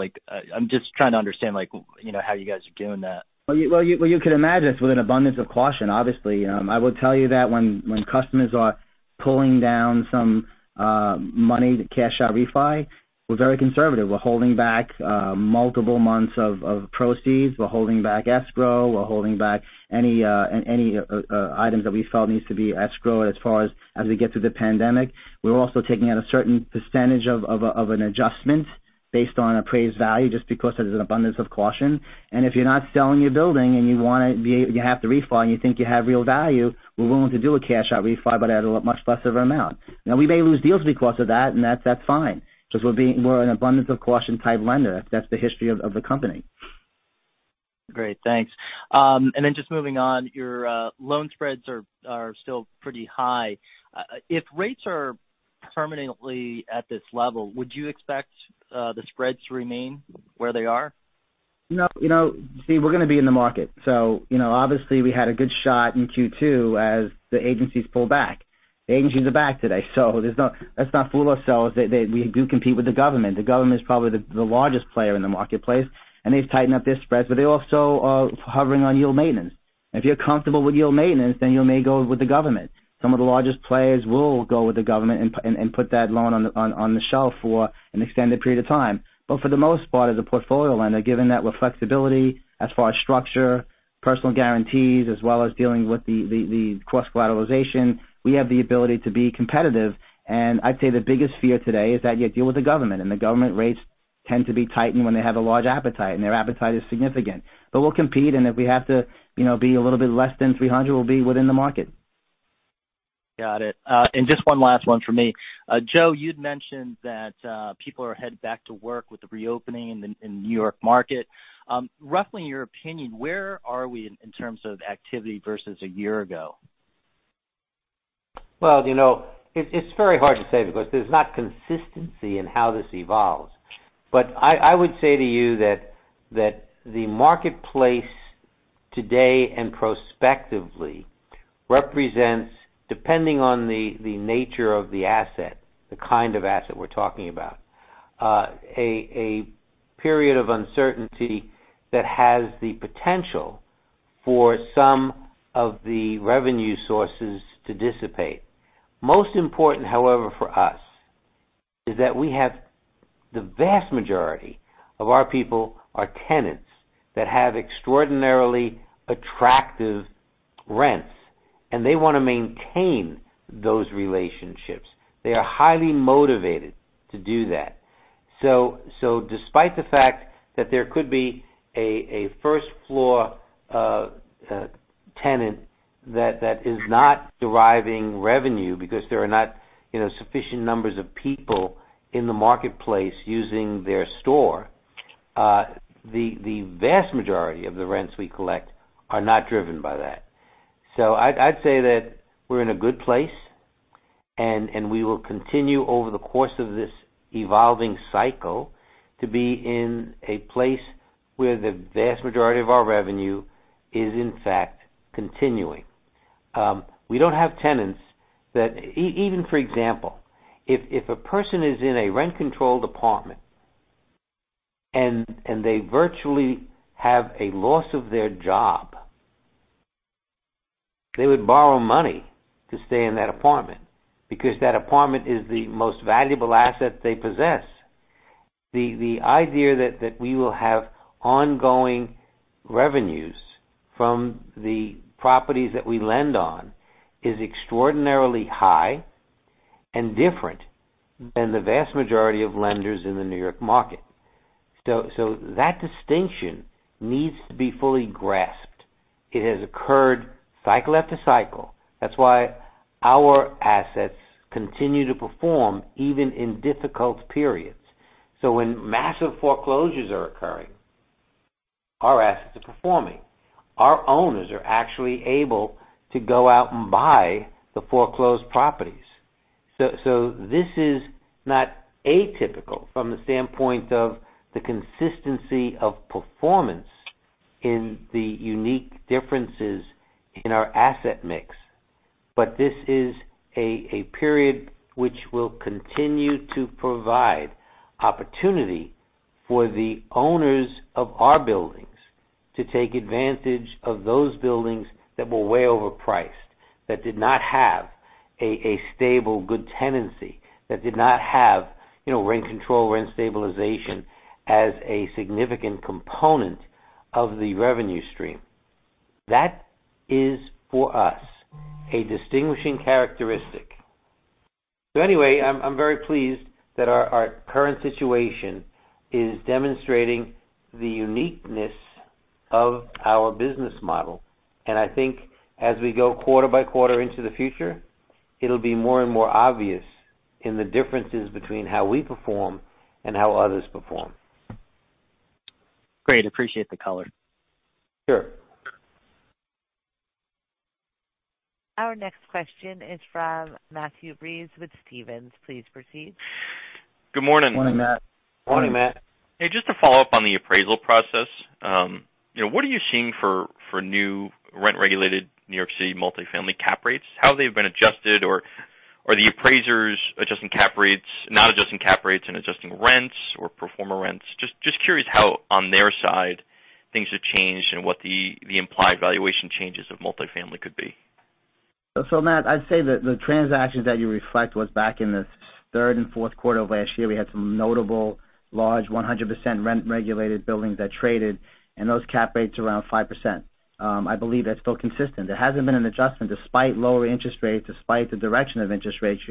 I'm just trying to understand how you guys are doing that. Well, you can imagine it's with an abundance of caution, obviously. I will tell you that when customers are pulling down some money, cash out refi, we're very conservative. We're holding back multiple months of proceeds. We're holding back escrow. We're holding back any items that we felt need to be escrowed as far as we get through the pandemic. We're also taking out a certain percentage of an adjustment based on appraised value just because there's an abundance of caution. And if you're not selling your building and you have to refile and you think you have real value, we're willing to do a cash out refi, but at a much lesser amount. Now, we may lose deals because of that, and that's fine because we're an abundance of caution type lender. That's the history of the company. Great. Thanks. And then just moving on, your loan spreads are still pretty high. If rates are permanently at this level, would you expect the spreads to remain where they are? No. See, we're going to be in the market. So obviously, we had a good shot in Q2 as the agencies pulled back. The agencies are back today. So let's not fool ourselves. We do compete with the government. The government is probably the largest player in the marketplace, and they've tightened up their spreads, but they're also hovering on yield maintenance. If you're comfortable with yield maintenance, then you may go with the government. Some of the largest players will go with the government and put that loan on the shelf for an extended period of time. But for the most part, as a portfolio lender, given that we're flexibility as far as structure, personal guarantees, as well as dealing with the cross-collateralization, we have the ability to be competitive. And I'd say the biggest fear today is that you deal with the government, and the government rates tend to be tightened when they have a large appetite, and their appetite is significant. But we'll compete, and if we have to be a little bit less than 300, we'll be within the market. Got it. And just one last one for me. Joe, you'd mentioned that people are headed back to work with the reopening in the New York market. Roughly, in your opinion, where are we in terms of activity versus a year ago? Well, it's very hard to say because there's not consistency in how this evolves. But I would say to you that the marketplace today and prospectively represents, depending on the nature of the asset, the kind of asset we're talking about, a period of uncertainty that has the potential for some of the revenue sources to dissipate. Most important, however, for us, is that we have the vast majority of our people are tenants that have extraordinarily attractive rents, and they want to maintain those relationships. They are highly motivated to do that. So despite the fact that there could be a first-floor tenant that is not deriving revenue because there are not sufficient numbers of people in the marketplace using their store, the vast majority of the rents we collect are not driven by that. So I'd say that we're in a good place, and we will continue over the course of this evolving cycle to be in a place where the vast majority of our revenue is, in fact, continuing. We don't have tenants that, even for example, if a person is in a rent-controlled apartment and they virtually have a loss of their job, they would borrow money to stay in that apartment because that apartment is the most valuable asset they possess. The idea that we will have ongoing revenues from the properties that we lend on is extraordinarily high and different than the vast majority of lenders in the New York market. So that distinction needs to be fully grasped. It has occurred cycle after cycle. That's why our assets continue to perform even in difficult periods. So when massive foreclosures are occurring, our assets are performing. Our owners are actually able to go out and buy the foreclosed properties. So this is not atypical from the standpoint of the consistency of performance in the unique differences in our asset mix. But this is a period which will continue to provide opportunity for the owners of our buildings to take advantage of those buildings that were way overpriced, that did not have a stable, good tenancy, that did not have rent control, rent stabilization as a significant component of the revenue stream. That is, for us, a distinguishing characteristic. So anyway, I'm very pleased that our current situation is demonstrating the uniqueness of our business model. And I think as we go quarter by quarter into the future, it'll be more and more obvious in the differences between how we perform and how others perform. Great. Appreciate the color. Sure. Our next question is from Matthew Breese with Stephens. Please proceed. Good morning. Good morning, Matt. Morning, Matt. Hey, just to follow up on the appraisal process. What are you seeing for new rent-regulated New York City multifamily cap rates? How have they been adjusted, or are the appraisers adjusting cap rates, not adjusting cap rates, and adjusting rents or performing rents? Just curious how, on their side, things have changed and what the implied valuation changes of multifamily could be. So Matt, I'd say that the transactions that you reflect was back in the third and Q4 of last year. We had some notable large 100% rent-regulated buildings that traded, and those cap rates around 5%. I believe that's still consistent. There hasn't been an adjustment despite lower interest rates, despite the direction of interest rates.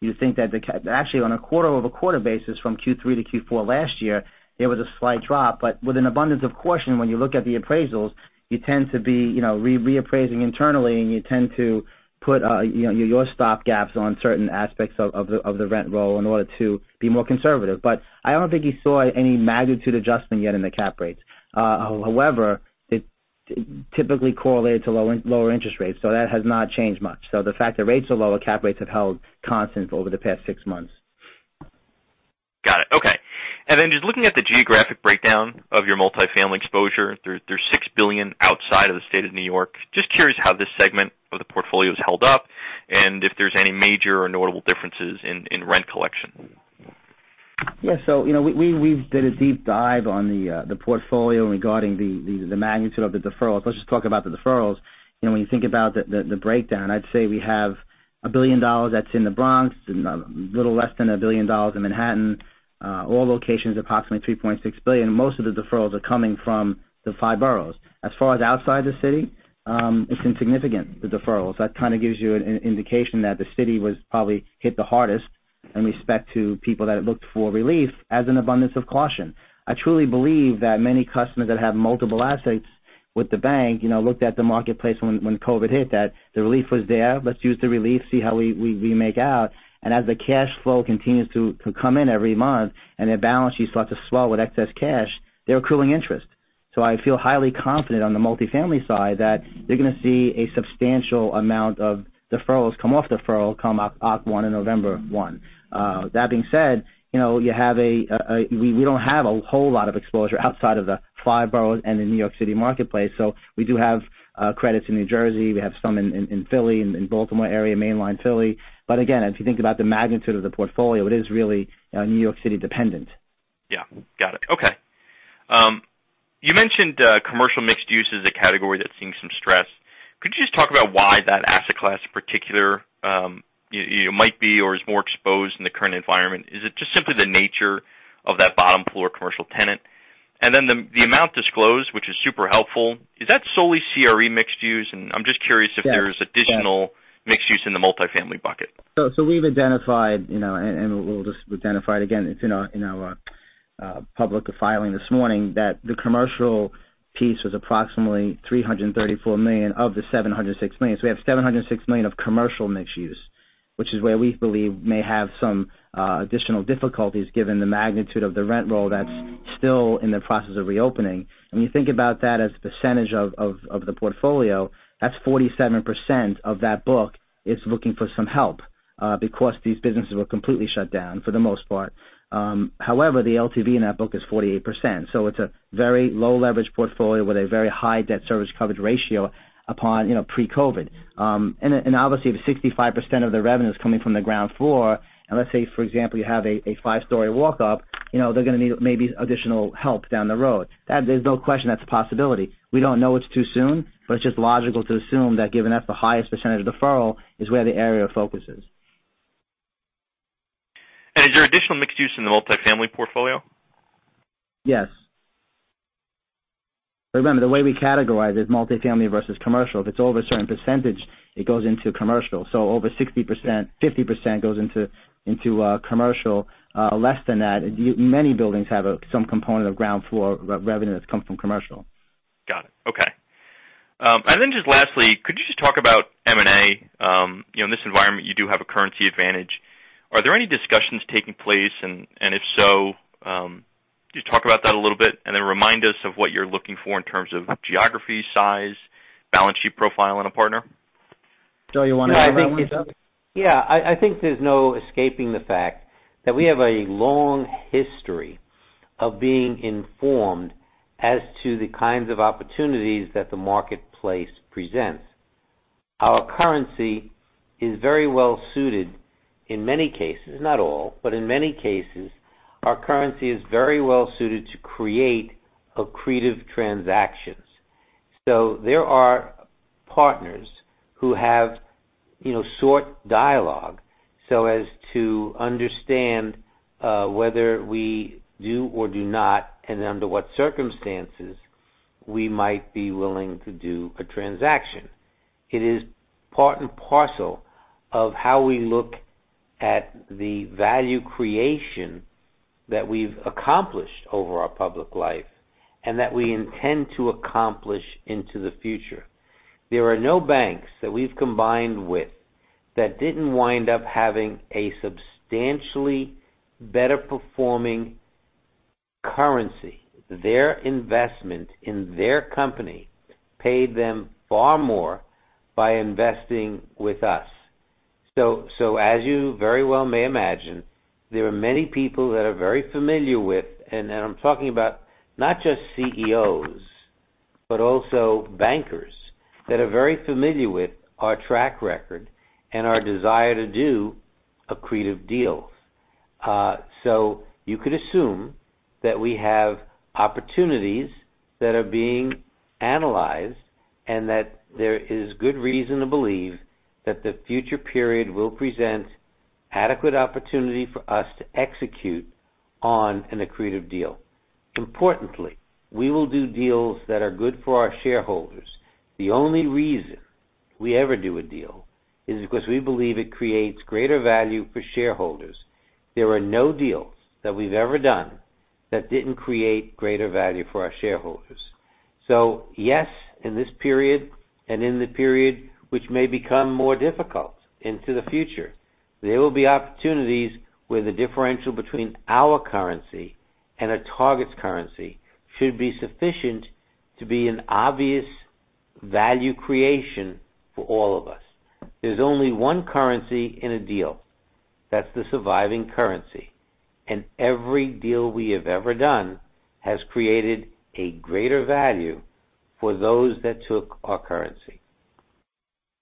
You'd think that actually, on a quarter-over-quarter basis from Q3 to Q4 last year, there was a slight drop. But with an abundance of caution, when you look at the appraisals, you tend to be reappraising internally, and you tend to put your stop gaps on certain aspects of the rent roll in order to be more conservative. But I don't think you saw any magnitude adjustment yet in the cap rates. However, it typically correlates to lower interest rates. So that has not changed much. So the fact that rates are lower, cap rates have held constant over the past six months. Got it. Okay. And then just looking at the geographic breakdown of your multifamily exposure, there's $6 billion outside of the state of New York. Just curious how this segment of the portfolio is held up and if there's any major or notable differences in rent collection? Yeah. So we've done a deep dive on the portfolio regarding the magnitude of the deferrals. Let's just talk about the deferrals. When you think about the breakdown, I'd say we have $1 billion that's in the Bronx, a little less than $1 billion in Manhattan. All locations, approximately $3.6 billion. Most of the deferrals are coming from the five boroughs. As far as outside the city, it's insignificant, the deferrals. That kind of gives you an indication that the city was probably hit the hardest in respect to people that looked for relief as an abundance of caution. I truly believe that many customers that have multiple assets with the bank looked at the marketplace when COVID hit, that the relief was there. Let's use the relief, see how we make out. As the cash flow continues to come in every month and their balance sheets start to swell with excess cash, they're accruing interest. So I feel highly confident on the multifamily side that you're going to see a substantial amount of deferrals come off deferral come October 1 and November 1. That being said, we don't have a whole lot of exposure outside of the five boroughs and the New York City marketplace. So we do have credits in New Jersey. We have some in Philly and in the Baltimore area, Main Line Philly. But again, if you think about the magnitude of the portfolio, it is really New York City dependent. Yeah. Got it. Okay. You mentioned commercial mixed use as a category that's seeing some stress. Could you just talk about why that asset class in particular might be or is more exposed in the current environment? Is it just simply the nature of that bottom floor commercial tenant? And then the amount disclosed, which is super helpful, is that solely CRE mixed use? And I'm just curious if there's additional mixed use in the multifamily bucket. So we've identified, and we'll just identify it again. It's in our public filing this morning, that the commercial piece was approximately $334 million of the $706 million. So we have $706 million of commercial mixed use, which is where we believe may have some additional difficulties given the magnitude of the rent roll that's still in the process of reopening. And when you think about that as a percentage of the portfolio, that's 47% of that book is looking for some help because these businesses were completely shut down for the most part. However, the LTV in that book is 48%. So it's a very low-leverage portfolio with a very high debt service coverage ratio upon pre-COVID. And obviously, if 65% of the revenue is coming from the ground floor, and let's say, for example, you have a five-story walk-up, they're going to need maybe additional help down the road. There's no question that's a possibility. We don't know. It's too soon, but it's just logical to assume that given that's the highest percentage of deferral is where the area of focus is. And is there additional mixed use in the multifamily portfolio? Yes. Remember, the way we categorize is multifamily versus commercial. If it's over a certain percentage, it goes into commercial. So over 60%, 50% goes into commercial. Less than that, many buildings have some component of ground floor revenue that's come from commercial. Got it. Okay. And then just lastly, could you just talk about M&A? In this environment, you do have a currency advantage. Are there any discussions taking place? And if so, just talk about that a little bit and then remind us of what you're looking for in terms of geography, size, balance sheet profile on a partner. Joe, you want to add anything? Yeah. I think there's no escaping the fact that we have a long history of being informed as to the kinds of opportunities that the marketplace presents. Our currency is very well suited in many cases, not all, but in many cases, our currency is very well suited to create accretive transactions. So there are partners who have sought dialogue so as to understand whether we do or do not, and under what circumstances we might be willing to do a transaction. It is part and parcel of how we look at the value creation that we've accomplished over our public life and that we intend to accomplish into the future. There are no banks that we've combined with that didn't wind up having a substantially better-performing currency. Their investment in their company paid them far more by investing with us. So as you very well may imagine, there are many people that are very familiar with, and I'm talking about not just CEOs, but also bankers that are very familiar with our track record and our desire to do accretive deals. So you could assume that we have opportunities that are being analyzed and that there is good reason to believe that the future period will present adequate opportunity for us to execute on an accretive deal. Importantly, we will do deals that are good for our shareholders. The only reason we ever do a deal is because we believe it creates greater value for shareholders. There are no deals that we've ever done that didn't create greater value for our shareholders. So yes, in this period and in the period which may become more difficult into the future, there will be opportunities where the differential between our currency and a target's currency should be sufficient to be an obvious value creation for all of us. There's only one currency in a deal. That's the surviving currency. And every deal we have ever done has created a greater value for those that took our currency.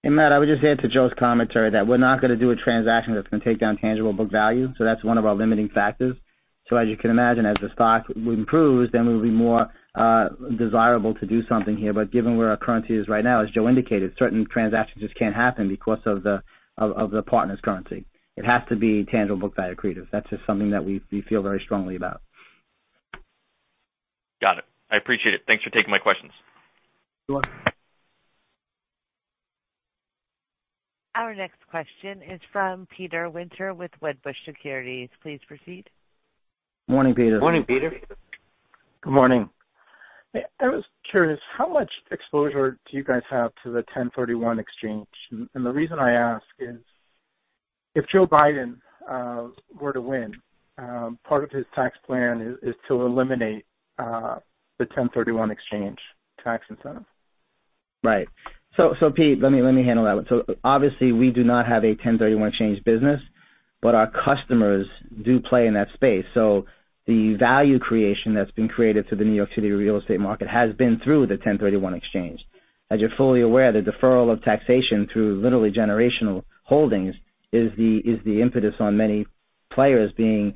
And Matt, I would just add to Joe's commentary that we're not going to do a transaction that's going to take down tangible book value. So that's one of our limiting factors. So as you can imagine, as the stock improves, then we will be more desirable to do something here. But given where our currency is right now, as Joe indicated, certain transactions just can't happen because of the partner's currency. It has to be tangible book value accretive. That's just something that we feel very strongly about. Got it. I appreciate it. Thanks for taking my questions. Sure. Our next question is from Peter Winter with Wedbush Securities. Please proceed. Morning, Peter. Morning, Peter. Good morning. I was curious how much exposure do you guys have to the 1031 exchange? And the reason I ask is if Joe Biden were to win, part of his tax plan is to eliminate the 1031 exchange tax incentive. Right. So Pete, let me handle that one. So obviously, we do not have a 1031 exchange business, but our customers do play in that space. So the value creation that's been created through the New York City real estate market has been through the 1031 exchange. As you're fully aware, the deferral of taxation through literally generational holdings is the impetus on many players being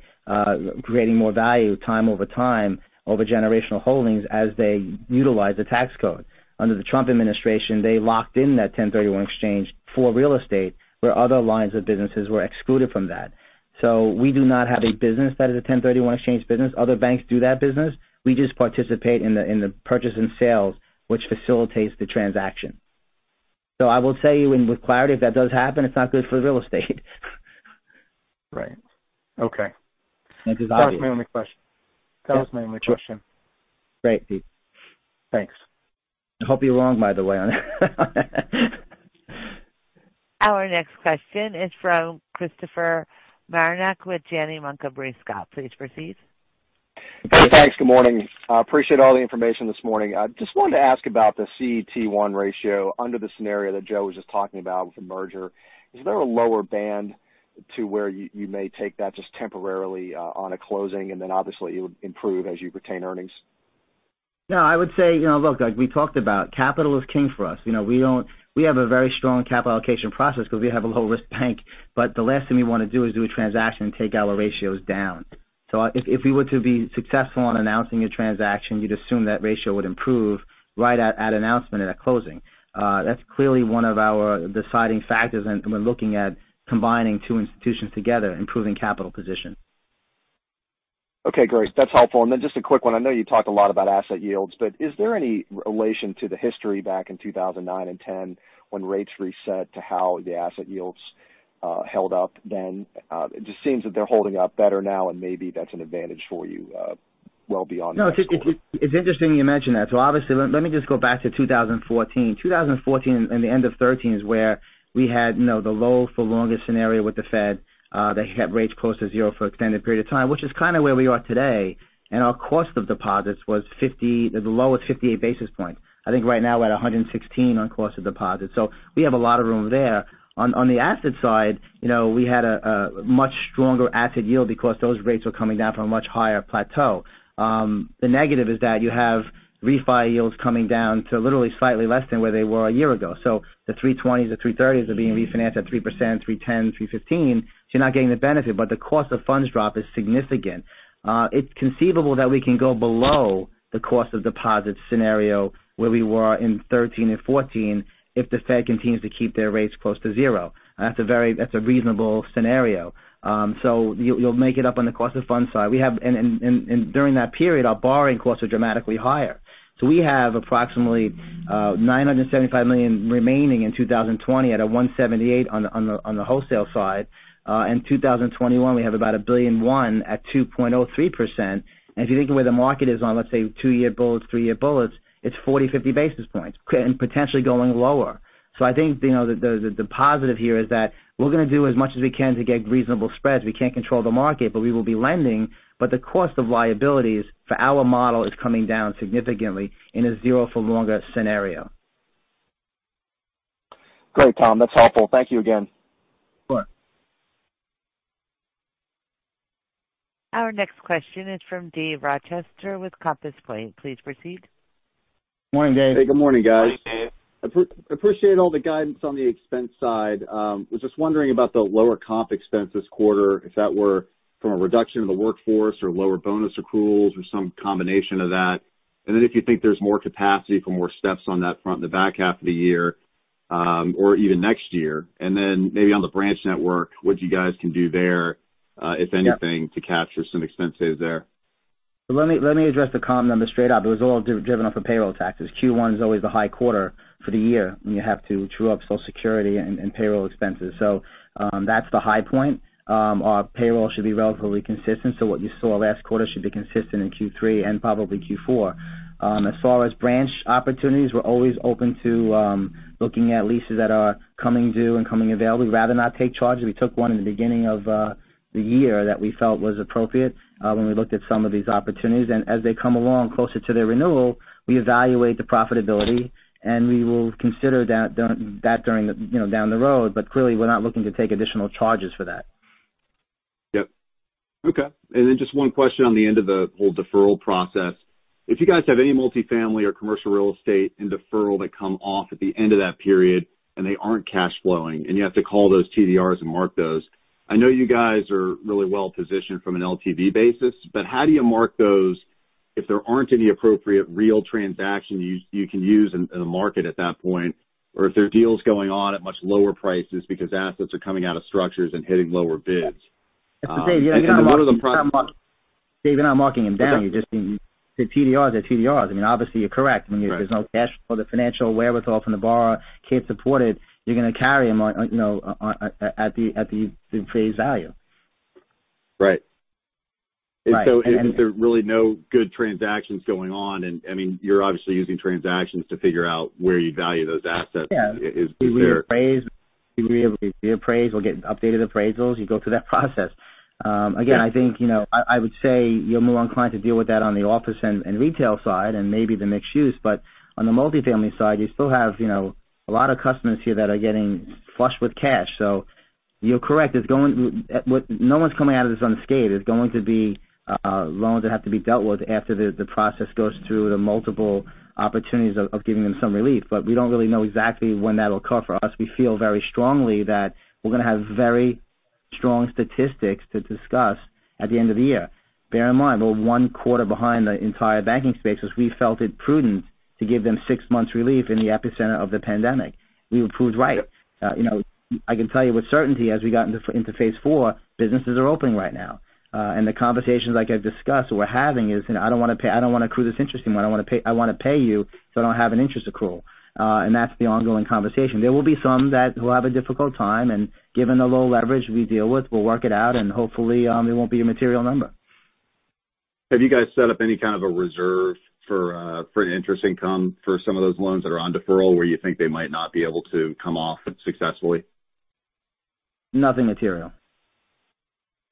creating more value time over time over generational holdings as they utilize the tax code. Under the Trump administration, they locked in that 1031 exchange for real estate where other lines of businesses were excluded from that. So we do not have a business that is a 1031 exchange business. Other banks do that business. We just participate in the purchase and sales, which facilitates the transaction. So I will tell you with clarity, if that does happen, it's not good for the real estate. Right. Okay. That's exactly it. Tell us my only question. Great. Thanks. I'll help you along, by the way. Our next question is from Christopher Marinac with Janney Montgomery Scott. Please proceed. Hey, thanks. Good morning. Appreciate all the information this morning. Just wanted to ask about the CET1 ratio under the scenario that Joe was just talking about with the merger. Is there a lower band to where you may take that just temporarily on a closing, and then obviously it would improve as you retain earnings? No, I would say, look, like we talked about, capital is king for us. We have a very strong capital allocation process because we have a low-risk bank. But the last thing we want to do is do a transaction and take our ratios down. So if we were to be successful in announcing a transaction, you'd assume that ratio would improve right at announcement at a closing. That's clearly one of our deciding factors when looking at combining two institutions together, improving capital position. Okay, great. That's helpful. And then just a quick one. I know you talked a lot about asset yields, but is there any relation to the history back in 2009 and 2010 when rates reset to how the asset yields held up then? It just seems that they're holding up better now, and maybe that's an advantage for you well beyond. No, it's interesting you mention that. So obviously, let me just go back to 2014. 2014 and the end of 2013 is where we had the low for longest scenario with the Fed that kept rates close to zero for an extended period of time, which is kind of where we are today. And our cost of deposits was the lowest 58 basis points. I think right now we're at 116 on cost of deposits. So we have a lot of room there. On the asset side, we had a much stronger asset yield because those rates were coming down from a much higher plateau. The negative is that you have refi yields coming down to literally slightly less than where they were a year ago. So the 3.20s, the 3.30s are being refinanced at 3%, 3.10, 3.15. So you're not getting the benefit, but the cost of funds drop is significant. It's conceivable that we can go below the cost of deposits scenario where we were in 2013 and 2014 if the Fed continues to keep their rates close to zero. That's a reasonable scenario. So you'll make it up on the cost of funds side. And during that period, our borrowing costs are dramatically higher. So we have approximately $975 million remaining in 2020 at 1.78% on the wholesale side. In 2021, we have about $1.1 billion at 2.03%. And if you think of where the market is on, let's say, two-year bills, three-year bills, it's 40-50 basis points and potentially going lower. So I think the positive here is that we're going to do as much as we can to get reasonable spreads. We can't control the market, but we will be lending. But the cost of liabilities for our model is coming down significantly in a zero for longer scenario. Great, Thomas. That's helpful. Thank you again. Sure. Our next question is from Dave Rochester with Compass Point. Please proceed. Morning, Dave. Hey, good morning, guys. Hey, Dave. I appreciate all the guidance on the expense side. I was just wondering about the lower comp expense this quarter, if that were from a reduction in the workforce or lower bonus accruals or some combination of that. And then if you think there's more capacity for more steps on that front in the back half of the year or even next year, and then maybe on the branch network, what you guys can do there, if anything, to capture some expenses there. Let me address the comp number straight up. It was all driven off of payroll taxes. Q1 is always the high quarter for the year when you have to chew up Social Security and payroll expenses. So that's the high point. Our payroll should be relatively consistent. So what you saw last quarter should be consistent in Q3 and probably Q4. As far as branch opportunities, we're always open to looking at leases that are coming due and coming available. We'd rather not take charges. We took one in the beginning of the year that we felt was appropriate when we looked at some of these opportunities. And as they come along closer to their renewal, we evaluate the profitability, and we will consider that down the road. But clearly, we're not looking to take additional charges for that. Yep. Okay. And then just one question on the end of the whole deferral process. If you guys have any multifamily or commercial real estate in deferral that come off at the end of that period and they aren't cash flowing and you have to call those TDRs and mark those, I know you guys are really well positioned from an LTV basis, but how do you mark those if there aren't any appropriate real transactions you can use in the market at that point, or if there are deals going on at much lower prices because assets are coming out of structures and hitting lower bids? That's the thing. You're not marking them down. Dave, you're not marking them down. You're just saying TDRs are TDRs. I mean, obviously, you're correct. When there's no cash flow, the financial wherewithal from the borrower can't support it, you're going to carry them at the book value. Right. And so, if there are really no good transactions going on, and I mean, you're obviously using transactions to figure out where you value those assets. Yeah. We reappraise. We reappraise. We'll get updated appraisals. You go through that process. Again, I think I would say you'll move on clients to deal with that on the office and retail side and maybe the mixed use, but on the multifamily side, you still have a lot of customers here that are getting flushed with cash, so you're correct. No one's coming out of this unscathed. It's going to be loans that have to be dealt with after the process goes through the multiple opportunities of giving them some relief, but we don't really know exactly when that will occur for us. We feel very strongly that we're going to have very strong statistics to discuss at the end of the year. Bear in mind, we're On Q1 behind the entire banking space because we felt it prudent to give them six months' relief in the epicenter of the pandemic. We were proved right. I can tell you with certainty as we got into phase four, businesses are opening right now. And the conversations like I've discussed we're having is, "I don't want to pay. I don't want to accrue this interest in you. I want to pay you so I don't have an interest accrual." And that's the ongoing conversation. There will be some that will have a difficult time. And given the low leverage we deal with, we'll work it out, and hopefully, it won't be a material number. Have you guys set up any kind of a reserve for interest income for some of those loans that are on deferral where you think they might not be able to come off successfully? Nothing material.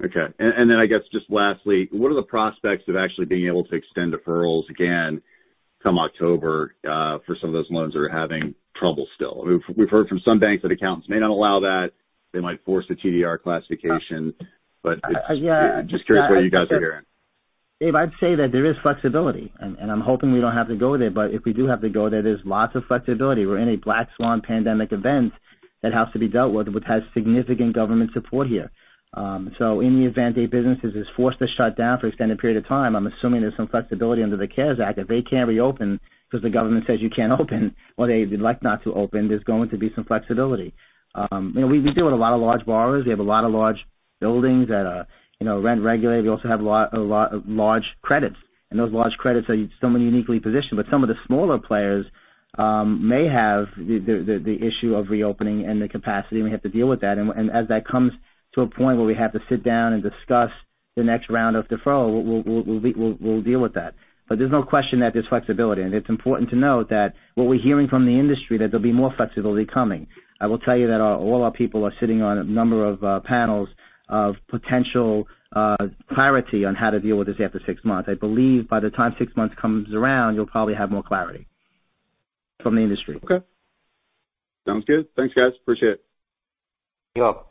Okay. Then I guess just lastly, what are the prospects of actually being able to extend deferrals again come October for some of those loans that are having trouble still? We've heard from some banks that accountants may not allow that. They might force a TDR classification, but just curious what you guys are hearing. Dave, I'd say that there is flexibility. I'm hoping we don't have to go there. If we do have to go there, there's lots of flexibility. We're in a black swan pandemic event that has to be dealt with, which has significant government support here. So, in the event a business is forced to shut down for an extended period of time, I'm assuming there's some flexibility under the CARES Act if they can't reopen because the government says you can't open or they'd like not to open. There's going to be some flexibility. We deal with a lot of large borrowers. We have a lot of large buildings that are rent regulated. We also have large credits. And those large credits are somewhat uniquely positioned. But some of the smaller players may have the issue of reopening and the capacity, and we have to deal with that. And as that comes to a point where we have to sit down and discuss the next round of deferral, we'll deal with that. But there's no question that there's flexibility. And it's important to note that what we're hearing from the industry is that there'll be more flexibility coming. I will tell you that all our people are sitting on a number of panels of potential clarity on how to deal with this after six months. I believe by the time six months comes around, you'll probably have more clarity from the industry. Okay. Sounds good. Thanks, guys. Appreciate it. You're welcome.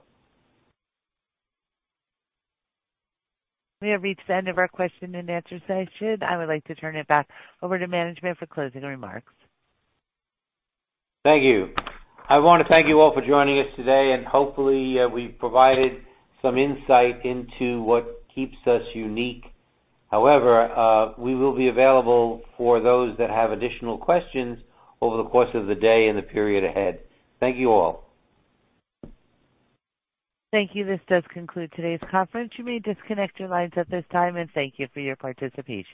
We have reached the end of our question and answer session. I would like to turn it back over to management for closing remarks. Thank you. I want to thank you all for joining us today. And hopefully, we've provided some insight into what keeps us unique. However, we will be available for those that have additional questions over the course of the day and the period ahead. Thank you all. Thank you. This does conclude today's conference. You may disconnect your lines at this time, and thank you for your participation.